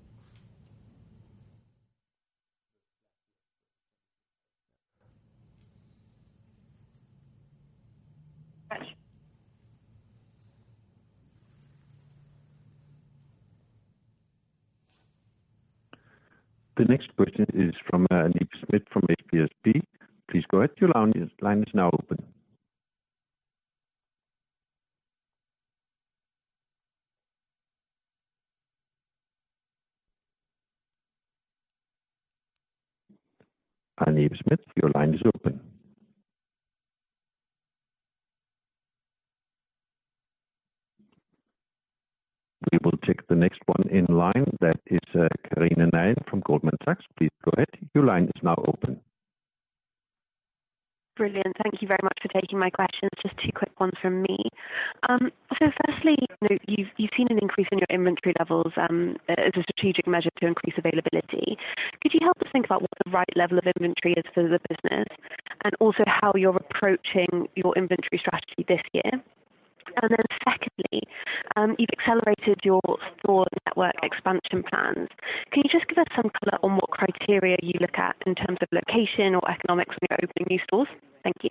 Thank you. The next question is from Aniv Smith from SBSB. Please go ahead. Your line is now open. Aniv Smith, your line is open. We will take the next one in line. That is Karina Nail from Goldman Sachs. Please go ahead. Your line is now open. Brilliant. Thank you very much for taking my questions. Just two quick ones from me. So firstly, you've seen an increase in your inventory levels, as a strategic measure to increase availability. Could you help us think about what the right level of inventory is for the business, and also how you're approaching your inventory strategy this year? Secondly, you've accelerated your store network expansion plans. Can you just give us some color on what criteria you look at in terms of location or economics when you're opening new stores? Thank you.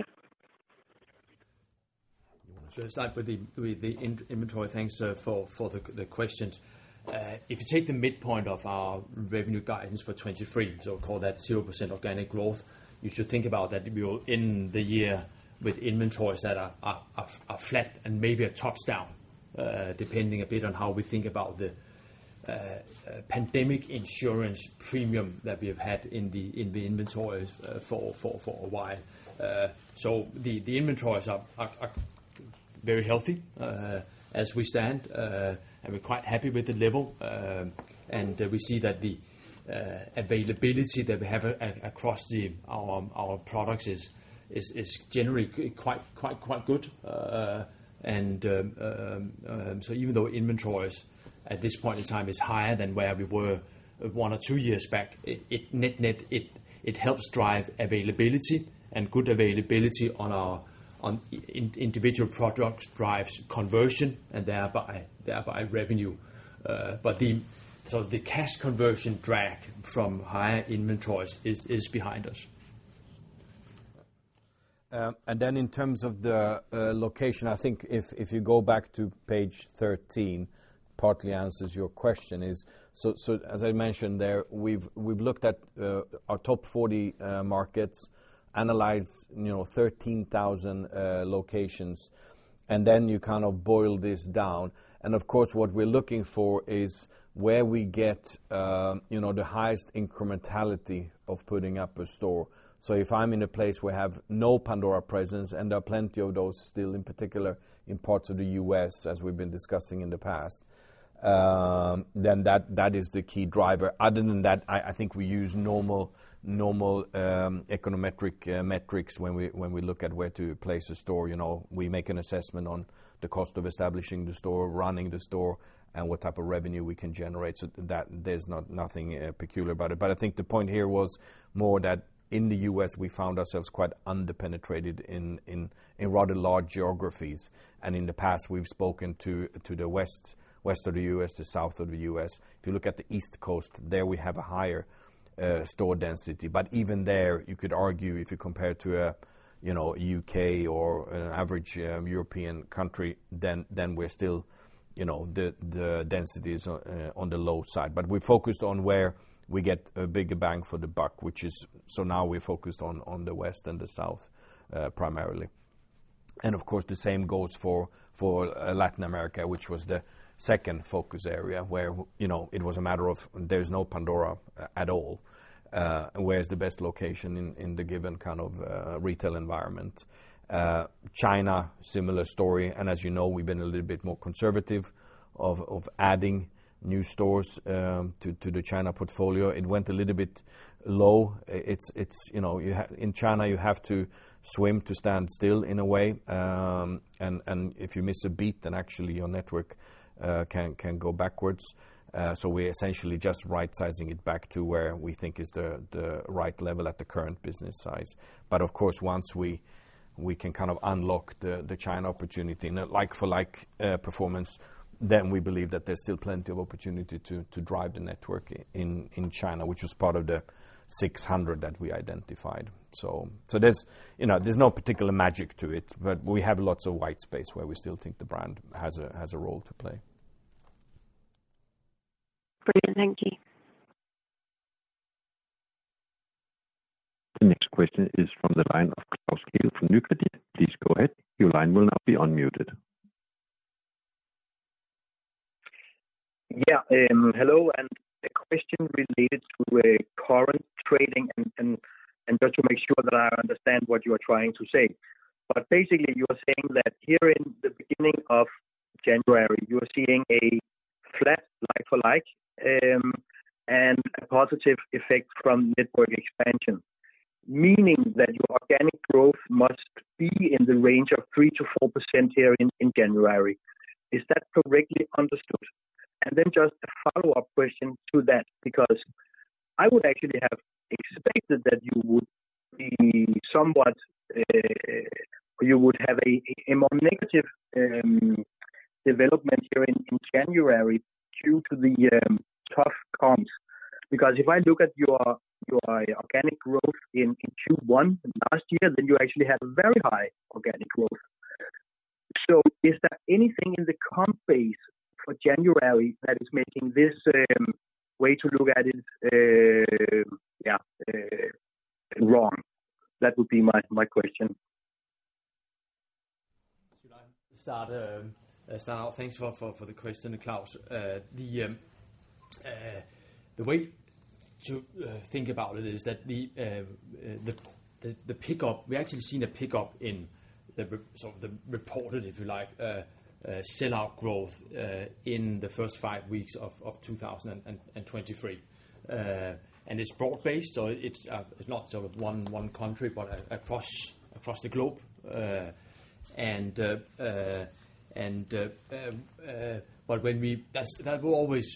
Sure. Start with the in-inventory. Thanks for the questions. If you take the midpoint of our revenue guidance for 2023, call that 0% organic growth, you should think about that we will end the year with inventories that are flat and maybe a touch down, depending a bit on how we think about the pandemic insurance premium that we have had in the inventories for a while. The inventories are very healthy as we stand and we're quite happy with the level. We see that the availability that we have across the products is generally quite good. Even though inventories at this point in time is higher than where we were one or two years back, it net-net, it helps drive availability, and good availability on our individual products drives conversion and thereby revenue. The cash conversion drag from higher inventories is behind us. In terms of the location, I think if you go back to page 13, partly answers your question. As I mentioned there, we've looked at our top 40 markets, analyzed, you know, 13,000 locations, and then you kind of boil this down. Of course, what we're looking for is where we get, you know, the highest incrementality of putting up a store. If I'm in a place where I have no Pandora presence, and there are plenty of those still, in particular in parts of the U.S., as we've been discussing in the past, then that is the key driver. Other than that, I think we use normal econometric metrics when we look at where to place a store, you know? We make an assessment on the cost of establishing the store, running the store, and what type of revenue we can generate so that there's nothing peculiar about it. I think the point here was more that in the U.S., we found ourselves quite under-penetrated in rather large geographies. In the past, we've spoken to the West of the U.S., the South of the U.S. If you look at the East Coast, there we have a higher store density. Even there, you could argue if you compare to a, you know, U.K. or an average European country, then we're still, you know, the density is on the low side. We're focused on where we get a bigger bang for the buck, which is... Now we're focused on the West and the South primarily. Of course, the same goes for Latin America, which was the second focus area where, you know, it was a matter of there's no Pandora at all. Where's the best location in the given kind of retail environment? China, similar story, and as you know, we've been a little bit more conservative of adding new stores to the China portfolio. It went a little bit low. It's. You know, you have In China, you have to swim to stand still in a way, and if you miss a beat, then actually your network can go backwards. We're essentially just right-sizing it back to where we think is the right level at the current business size. Of course, once we can kind of unlock the China opportunity in a like-for-like performance, then we believe that there's still plenty of opportunity to drive the network in China, which is part of the 600 that we identified. There's, you know, there's no particular magic to it, but we have lots of white space where we still think the brand has a role to play. Brilliant. Thank you. The next question is from the line of Klaus Kehl from Nykredit. Please go ahead. Your line will now be unmuted. Yeah. Hello, and a question related to a current trading and just to make sure that I understand what you are trying to say. Basically, you are saying that here in the beginning of January, you are seeing a flat like-for-like, and a positive effect from network expansion, meaning that your organic growth must be in the range of 3%-4% here in January. Is that correctly understood? Just a follow-up question to that, because I would actually have expected that you would be somewhat, you would have a more negative development here in January due to the tough comps. If I look at your organic growth in Q1 last year, then you actually had very high organic growth. Is there anything in the comp base for January that is making this way to look at it, yeah, wrong? That would be my question. Should I start out? Thanks for the question, Klaus. The way to think about it is that the pickup, we actually seen a pickup in the sort of the reported, if you like, sellout growth, in the first five weeks of 2023. It's broad-based, so it's not sort of one country, but across the globe. It's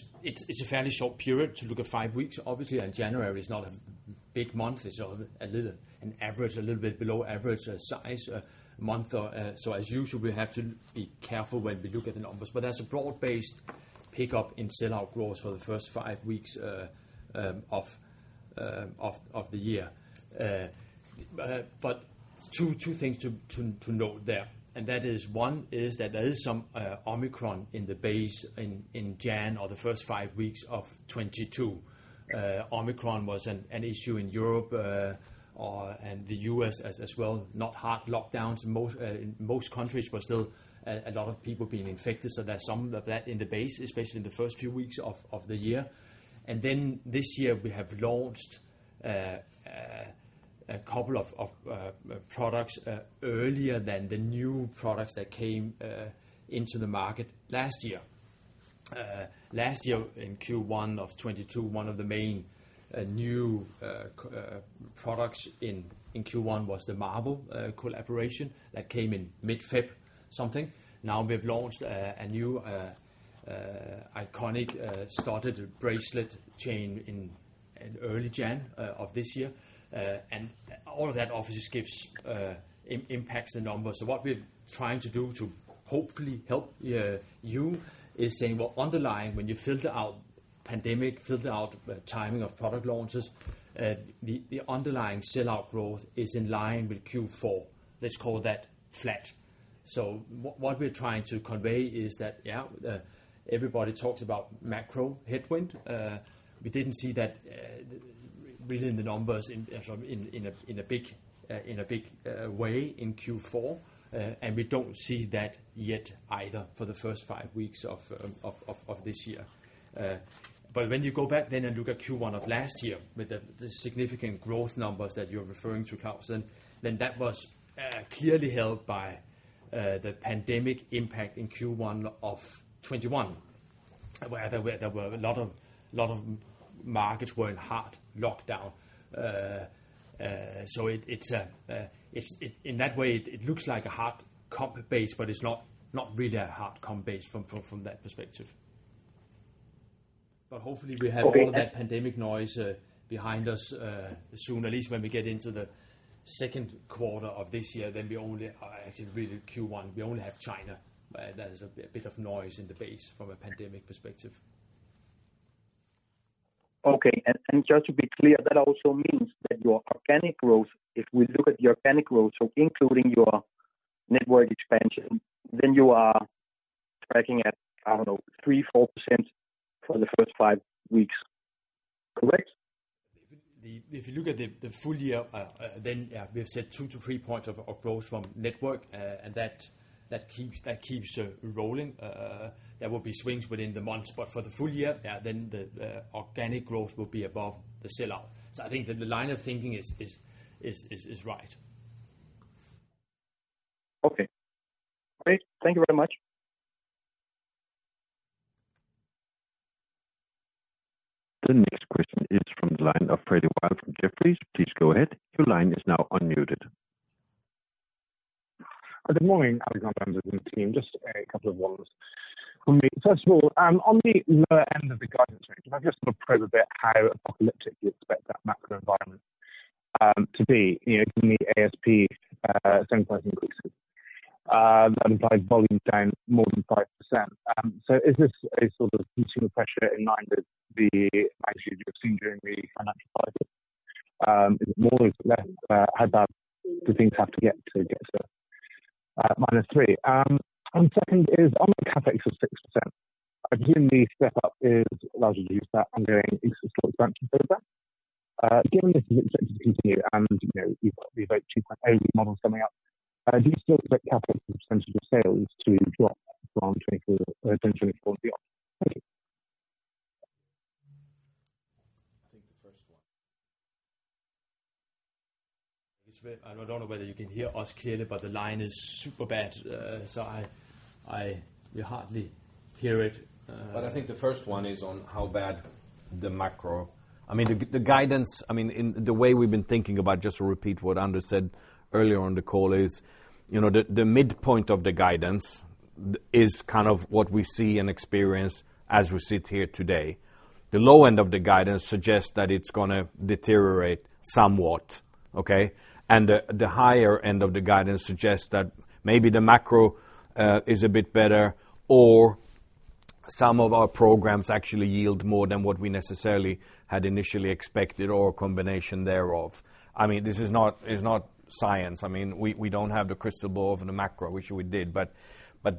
a fairly short period to look at five weeks, obviously, and January is not a big month. It's a little, an average, a little bit below average size month. As usual, we have to be careful when we look at the numbers. There's a broad-based pickup in sellout growth for the first five weeks of the year. Two things to note there, and that is, one is that there is some Omicron in the base in Jan or the first five weeks of 2022. Omicron was an issue in Europe and the US as well, not hard lockdowns most in most countries, but still a lot of people being infected, so there's some of that in the base, especially in the first few weeks of the year. Then this year, we have launched a couple of products earlier than the new products that came into the market last year. Last year in Q1 of 2022, one of the main new products in Q1 was the Marvel collaboration that came in mid-February something. Now we've launched a new iconic studded bracelet chain in early January of this year. All of that obviously gives impacts the numbers. What we're trying to do to hopefully help you is saying, well, underlying, when you filter out. Pandemic filled out the timing of product launches. The underlying sell-out growth is in line with Q4. Let's call that flat. What we're trying to convey is that, yeah, the... Everybody talks about macro headwind. We didn't see that within the numbers in a big, in a big way in Q4. We don't see that yet either for the first 5 weeks of this year. When you go back then and look at Q1 of last year with the significant growth numbers that you're referring to, Carlson, then that was clearly held by the pandemic impact in Q1 of 2021, where there were a lot of markets were in hard lockdown. It's... In that way, it looks like a hard comp base, but it's not really a hard comp base from that perspective. Hopefully we have all that pandemic noise behind us soon, at least when we get into the second quarter of this year, then we only are actually really Q1. We only have China. That is a bit of noise in the base from a pandemic perspective. Okay. Just to be clear, that also means that your organic growth, if we look at the organic growth, so including your network expansion, then you are tracking at, I don't know, 3%, 4% for the first five weeks. Correct? If you look at the full year, then, yeah, we've said two to three points of growth from network. That keeps rolling. There will be swings within the month, but for the full year, yeah, then the organic growth will be above the sell-out. I think that the line of thinking is right. Okay, great. Thank you very much. The next question is from the line of Frederick Wild from Jefferies. Please go ahead. Your line is now unmuted. Good morning, Alexander and team. Just a couple of ones from me. First of all, on the lower end of the guidance range, can I just sort of probe a bit how apocalyptic you expect that macro environment to be? You know, given the ASP, same price increases, that implies volume down more than 5%. Is this a sort of consumer pressure in mind that the magnitude you've seen during the financial crisis, is it more or less, how bad do things have to get to get to -3%? Second is on the CapEx of 6%. Assuming the step-up is largely that ongoing store expansion program, given this is expected to continue and, you know, you've got the Evoke 2.0 model coming up, do you still expect CapEx as a % of sales to drop from 2024 or potentially beyond? Thank you. I think the first one. I don't know whether you can hear us clearly, but the line is super bad. You hardly hear it. I think the first one is on how bad the macro. The guidance, in the way we've been thinking about, just to repeat what Anders said earlier on the call is, you know, the midpoint of the guidance is kind of what we see and experience as we sit here today. The low end of the guidance suggests that it's gonna deteriorate somewhat, okay? The higher end of the guidance suggests that maybe the macro is a bit better or some of our programs actually yield more than what we necessarily had initially expected or a combination thereof. This is not, it's not science. We don't have the crystal ball in the macro, wish we did, but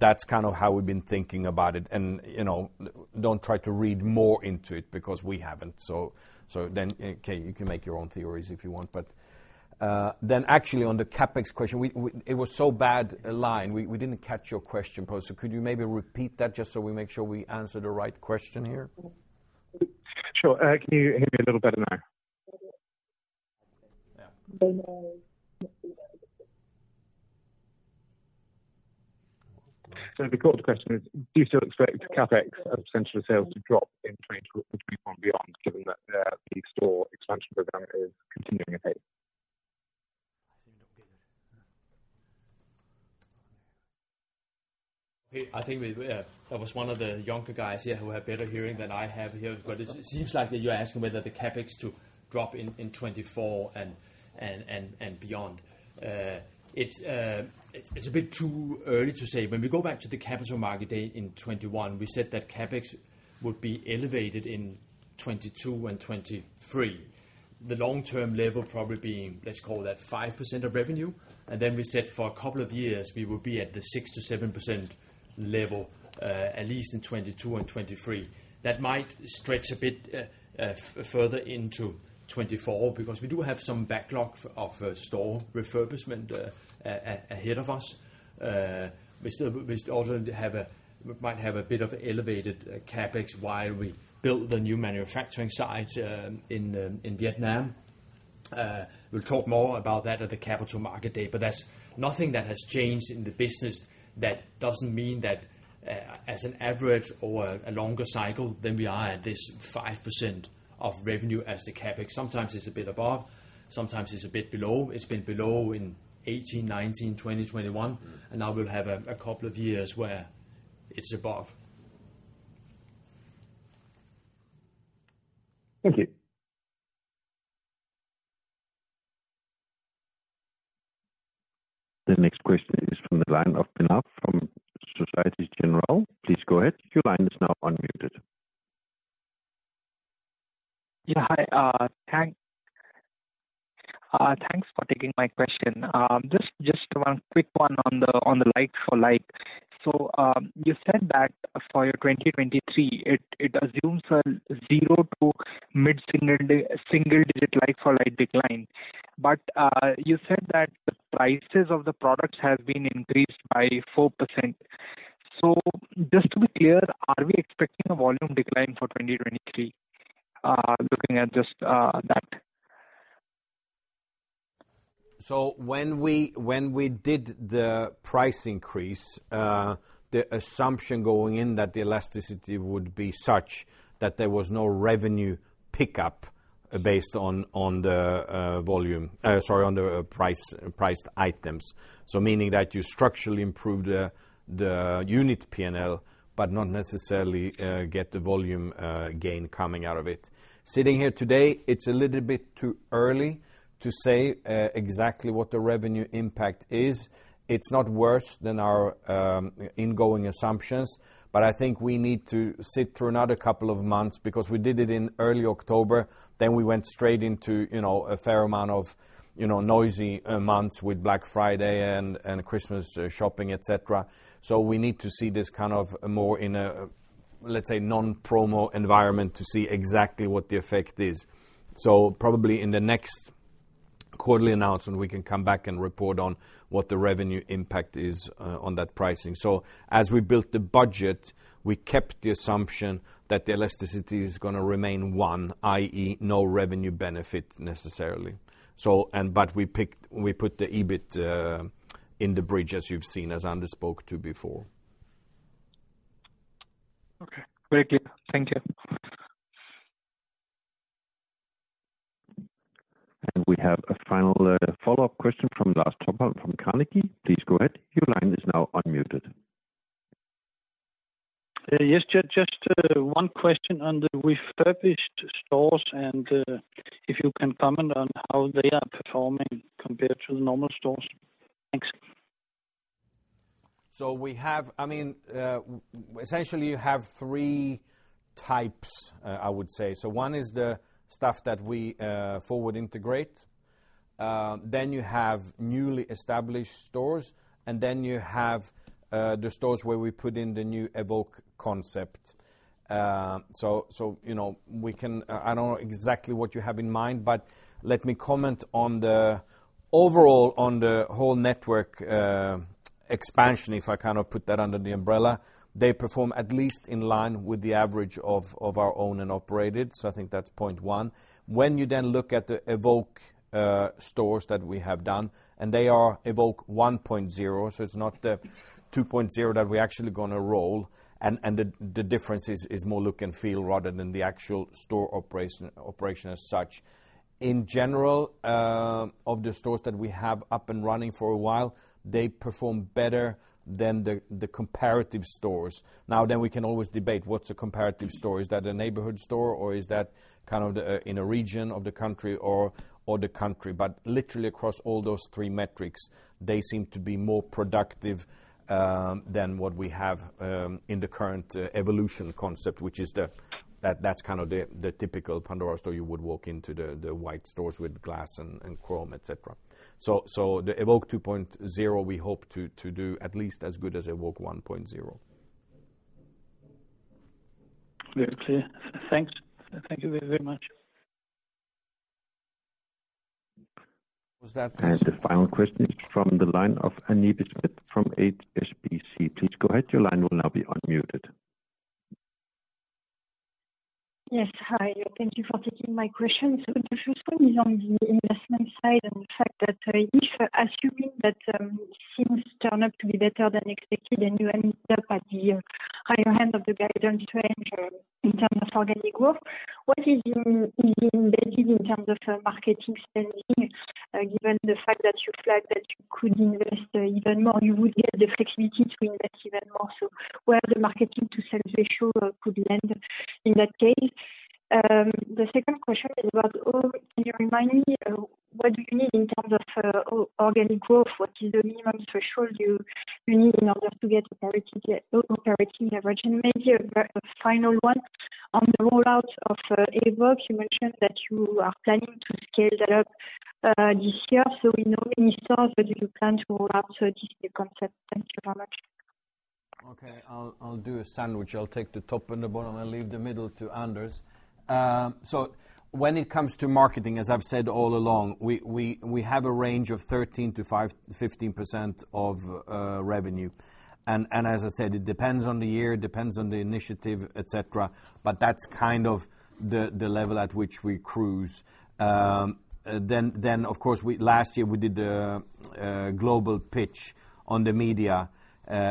that's kind of how we've been thinking about it. You know, don't try to read more into it because we haven't. Okay, you can make your own theories if you want. Actually on the CapEx question, It was so bad a line, we didn't catch your question, so could you maybe repeat that just so we make sure we answer the right question here? Sure. Can you hear me a little better now? Yeah. The core of the question is, do you still expect CapEx as a percentage of sales to drop in 2024 and beyond, given that the store expansion program is continuing apace? I still don't get it. I think we've, that was one of the younger guys here who have better hearing than I have here. It seems like that you're asking whether the CapEx to drop in 2024 and beyond. It's, it's a bit too early to say. When we go back to the Capital Markets Day in 2021, we said that CapEx would be elevated in 2022 and 2023. The long-term level probably being, let's call that 5% of revenue. Then we said for a couple of years we will be at the 6%-7% level, at least in 2022 and 2023. That might stretch a bit, further into 2024 because we do have some backlog of store refurbishment ahead of us. We still... We also might have a bit of elevated CapEx while we build the new manufacturing site in Vietnam. We'll talk more about that at the Capital Markets Day, that's nothing that has changed in the business. That doesn't mean that as an average or a longer cycle than we are at this 5% of revenue as the CapEx. Sometimes it's a bit above, sometimes it's a bit below. It's been below in 2018, 2019, 2020, 2021, and now we'll have a couple of years where it's above. Thank you. The next question is from the line of Benal from Societe Generale. Please go ahead. Your line is now unmuted. Yeah. Hi, thanks for taking my question. Just one quick one on the like-for-like. You said that for your 2023, it assumes a zero to mid-single-digit like-for-like decline. You said that the prices of the products has been increased by 4%. Just to be clear, are we expecting a volume decline for 2023, looking at just that? When we did the price increase, the assumption going in that the elasticity would be such that there was no revenue pickup based on the volume, sorry, on the price, priced items. Meaning that you structurally improve the unit PNL but not necessarily get the volume gain coming out of it. Sitting here today, it's a little bit too early to say exactly what the revenue impact is. It's not worse than our ingoing assumptions, but I think we need to sit through another couple of months because we did it in early October, then we went straight into, you know, a fair amount of, you know, noisy months with Black Friday and Christmas shopping, et cetera. We need to see this kind of more in a, let's say, non-promo environment to see exactly what the effect is. Probably in the next quarterly announcement, we can come back and report on what the revenue impact is on that pricing. As we built the budget, we kept the assumption that the elasticity is gonna remain 1, i.e., no revenue benefit necessarily. We put the EBIT in the bridge as you've seen, as Anders spoke to before. Okay. Very clear. Thank you. We have a final follow-up question from Lars Topholm from Carnegie. Please go ahead. Your line is now unmuted. Yes. Just one question on the refurbished stores and if you can comment on how they are performing compared to the normal stores. Thanks. I mean, essentially you have three types, I would say. One is the stuff that we forward integrate, then you have newly established stores, and then you have the stores where we put in the new Evoke concept. You know, I don't know exactly what you have in mind, but let me comment on the overall on the whole network expansion, if I kind of put that under the umbrella. They perform at least in line with the average of our own and operated. I think that's point one. When you then look at the Evoke stores that we have done, and they are Evoke 1.0, it's not the 2.0 that we're actually gonna roll. The difference is more look and feel rather than the actual store operation as such. In general, of the stores that we have up and running for a while, they perform better than the comparative stores. We can always debate what's a comparative store. Is that a neighborhood store or is that kind of the in a region of the country or the country? Literally across all those three metrics, they seem to be more productive than what we have in the current Evolution concept, which is that's kind of the typical Pandora store you would walk into, the white stores with glass and chrome, et cetera. The Evoke 2.0, we hope to do at least as good as Evoke 1.0. Very clear. Thanks. Thank you very, very much. Was that- The final question is from the line of Anne Bismuth from HSBC. Please go ahead. Your line will now be unmuted. Yes. Hi. Thank you for taking my question. The first one is on the investment side and the fact that, if assuming that things turn out to be better than expected and you end up at the higher end of the guidance range in terms of organic growth, what is embedded in terms of marketing spending, given the fact that you flagged that you could invest even more, you would get the flexibility to invest even more? Where the marketing-to-sales ratio could land in that case. The second question is about can you remind me what do you mean in terms of organic growth? What is the minimum threshold you need in order to get operating leverage? Maybe a final one on the rollout of Evoke. You mentioned that you are planning to scale that up, this year, so we know many stores that you plan to roll out to this new concept. Thank you very much. Okay. I'll do a sandwich. I'll take the top and the bottom and leave the middle to Anders. When it comes to marketing, as I've said all along, we have a range of 13%-15% of revenue. As I said, it depends on the year, it depends on the initiative, et cetera, but that's kind of the level at which we cruise. Then of course, last year we did a global pitch on the media,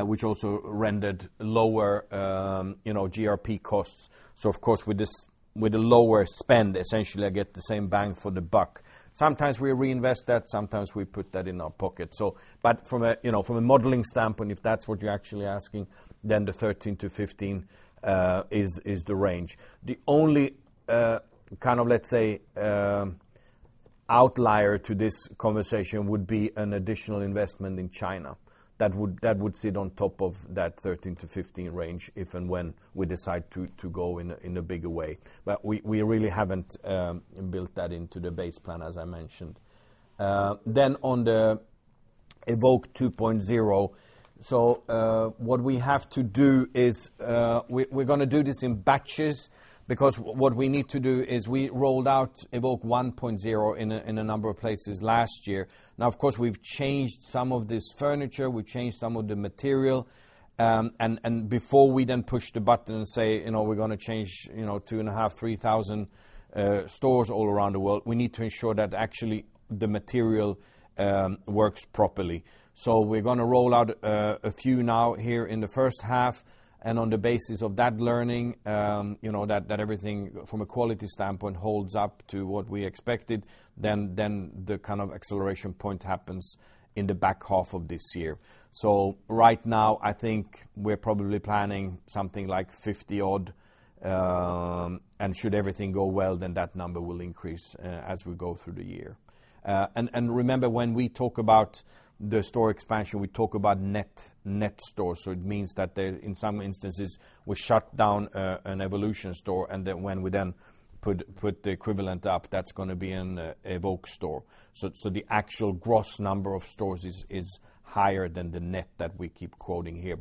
which also rendered lower, you know, GRP costs. Of course with this, with the lower spend, essentially I get the same bang for the buck. Sometimes we reinvest that, sometimes we put that in our pocket. But from a, you know, from a modeling standpoint, if that's what you're actually asking, then the 13-15 is the range. The only kind of let's say outlier to this conversation would be an additional investment in China that would sit on top of that 13-15 range if and when we decide to go in a bigger way. We really haven't built that into the base plan as I mentioned. On the Evoke 2.0, what we have to do is we're gonna do this in batches, because what we need to do is we rolled out Evoke 1.0 in a number of places last year. Of course, we've changed some of this furniture, we changed some of the material, and before we then push the button and say, you know, we're gonna change, you know, 2,500-3,000 stores all around the world, we need to ensure that actually the material works properly. We're gonna roll out a few now here in the first half, and on the basis of that learning, you know, that everything from a quality standpoint holds up to what we expected, then the kind of acceleration point happens in the back half of this year. Right now, I think we're probably planning something like 50-odd, and should everything go well, then that number will increase as we go through the year. Remember, when we talk about the store expansion, we talk about net stores. It means that there in some instances we shut down an Evolution store and then when we then put the equivalent up, that's gonna be an Evoke store. The actual gross number of stores is higher than the net that we keep quoting here.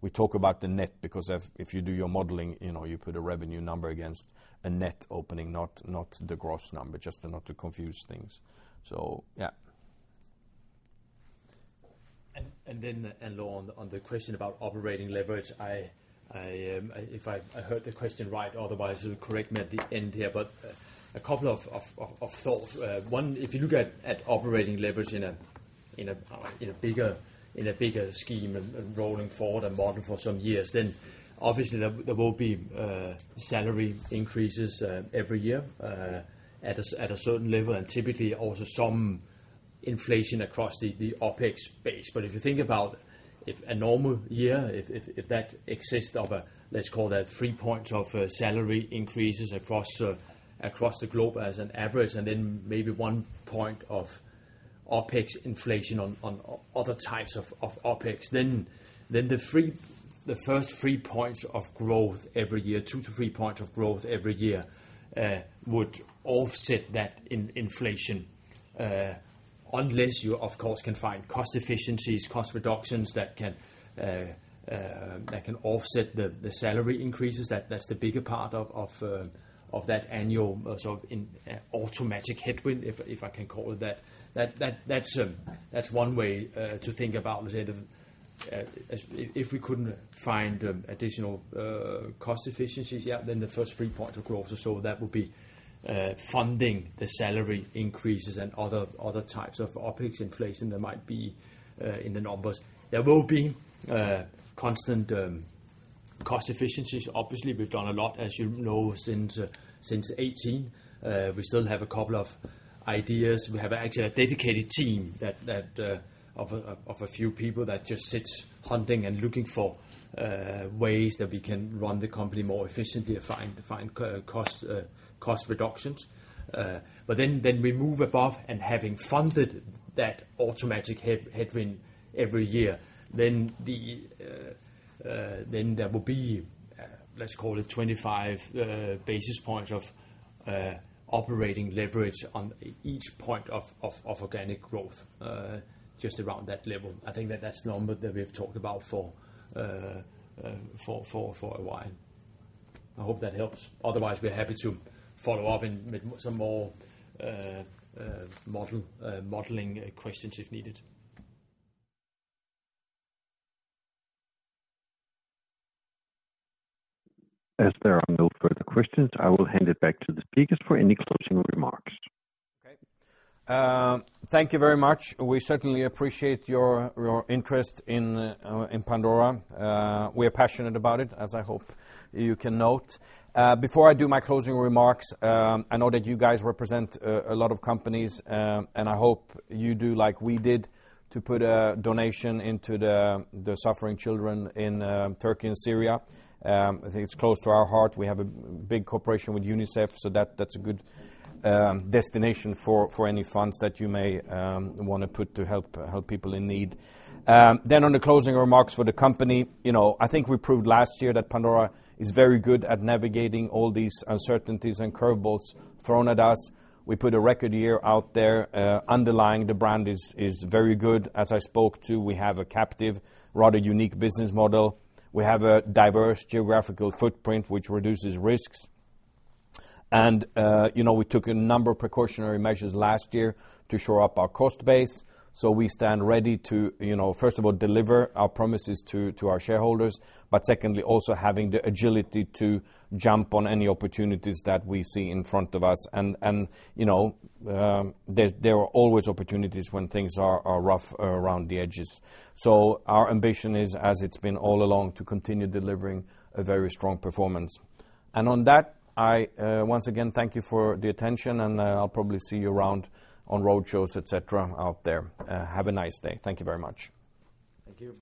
We talk about the net because if you do your modeling, you know, you put a revenue number against a net opening, not the gross number, just to not to confuse things. Yeah. Then on the question about operating leverage, if I heard the question right, otherwise correct me at the end here. A couple of thoughts. One, if you look at operating leverage in a bigger scheme and rolling forward a model for some years, then obviously there will be salary increases every year at a certain level, and typically also some inflation across the OpEx base. If you think about if a normal year, if that exists of a, let's call that three points of salary increases across the globe as an average and then maybe one point of OpEx inflation on other types of OpEx, then the three, the first three points of growth every year, two- three points of growth every year would offset that in inflation. Unless you of course can find cost efficiencies, cost reductions that can offset the salary increases that's the bigger part of that annual sort of in automatic headwind, if I can call it that. That's one way to think about as if as if we couldn't find additional cost efficiencies yet, then the first three points of growth or so that would be funding the salary increases and other types of OpEx inflation there might be in the numbers. There will be constant cost efficiencies. Obviously, we've done a lot, as you know, since 2018. We still have a couple of ideas. We have actually a dedicated team that of a few people that just sits hunting and looking for ways that we can run the company more efficiently and find cost reductions. Then we move above and having funded that automatic headwind every year, then the, then there will be, let's call it 25 basis points of operating leverage on each point of organic growth, just around that level. I think that that's the number that we have talked about for a while. I hope that helps. Otherwise, we're happy to follow up in some more modeling questions if needed. As there are no further questions, I will hand it back to the speakers for any closing remarks. Okay. Thank you very much. We certainly appreciate your interest in Pandora. We are passionate about it as I hope you can note. Before I do my closing remarks, I know that you guys represent a lot of companies, and I hope you do like we did to put a donation into the suffering children in Turkey and Syria. I think it's close to our heart. We have a big cooperation with UNICEF, so that's a good destination for any funds that you may wanna put to help people in need. On the closing remarks for the company, you know, I think we proved last year that Pandora is very good at navigating all these uncertainties and curveballs thrown at us. We put a record year out there. Underlying the brand is very good. As I spoke to, we have a captive, rather unique business model. We have a diverse geographical footprint which reduces risks. You know, we took a number of precautionary measures last year to shore up our cost base. We stand ready to, you know, first of all, deliver our promises to our shareholders, but secondly, also having the agility to jump on any opportunities that we see in front of us. You know, there are always opportunities when things are rough around the edges. Our ambition is, as it's been all along, to continue delivering a very strong performance. On that, I once again thank you for the attention, I'll probably see you around on roadshows, et cetera, out there. Have a nice day. Thank you very much. Thank you.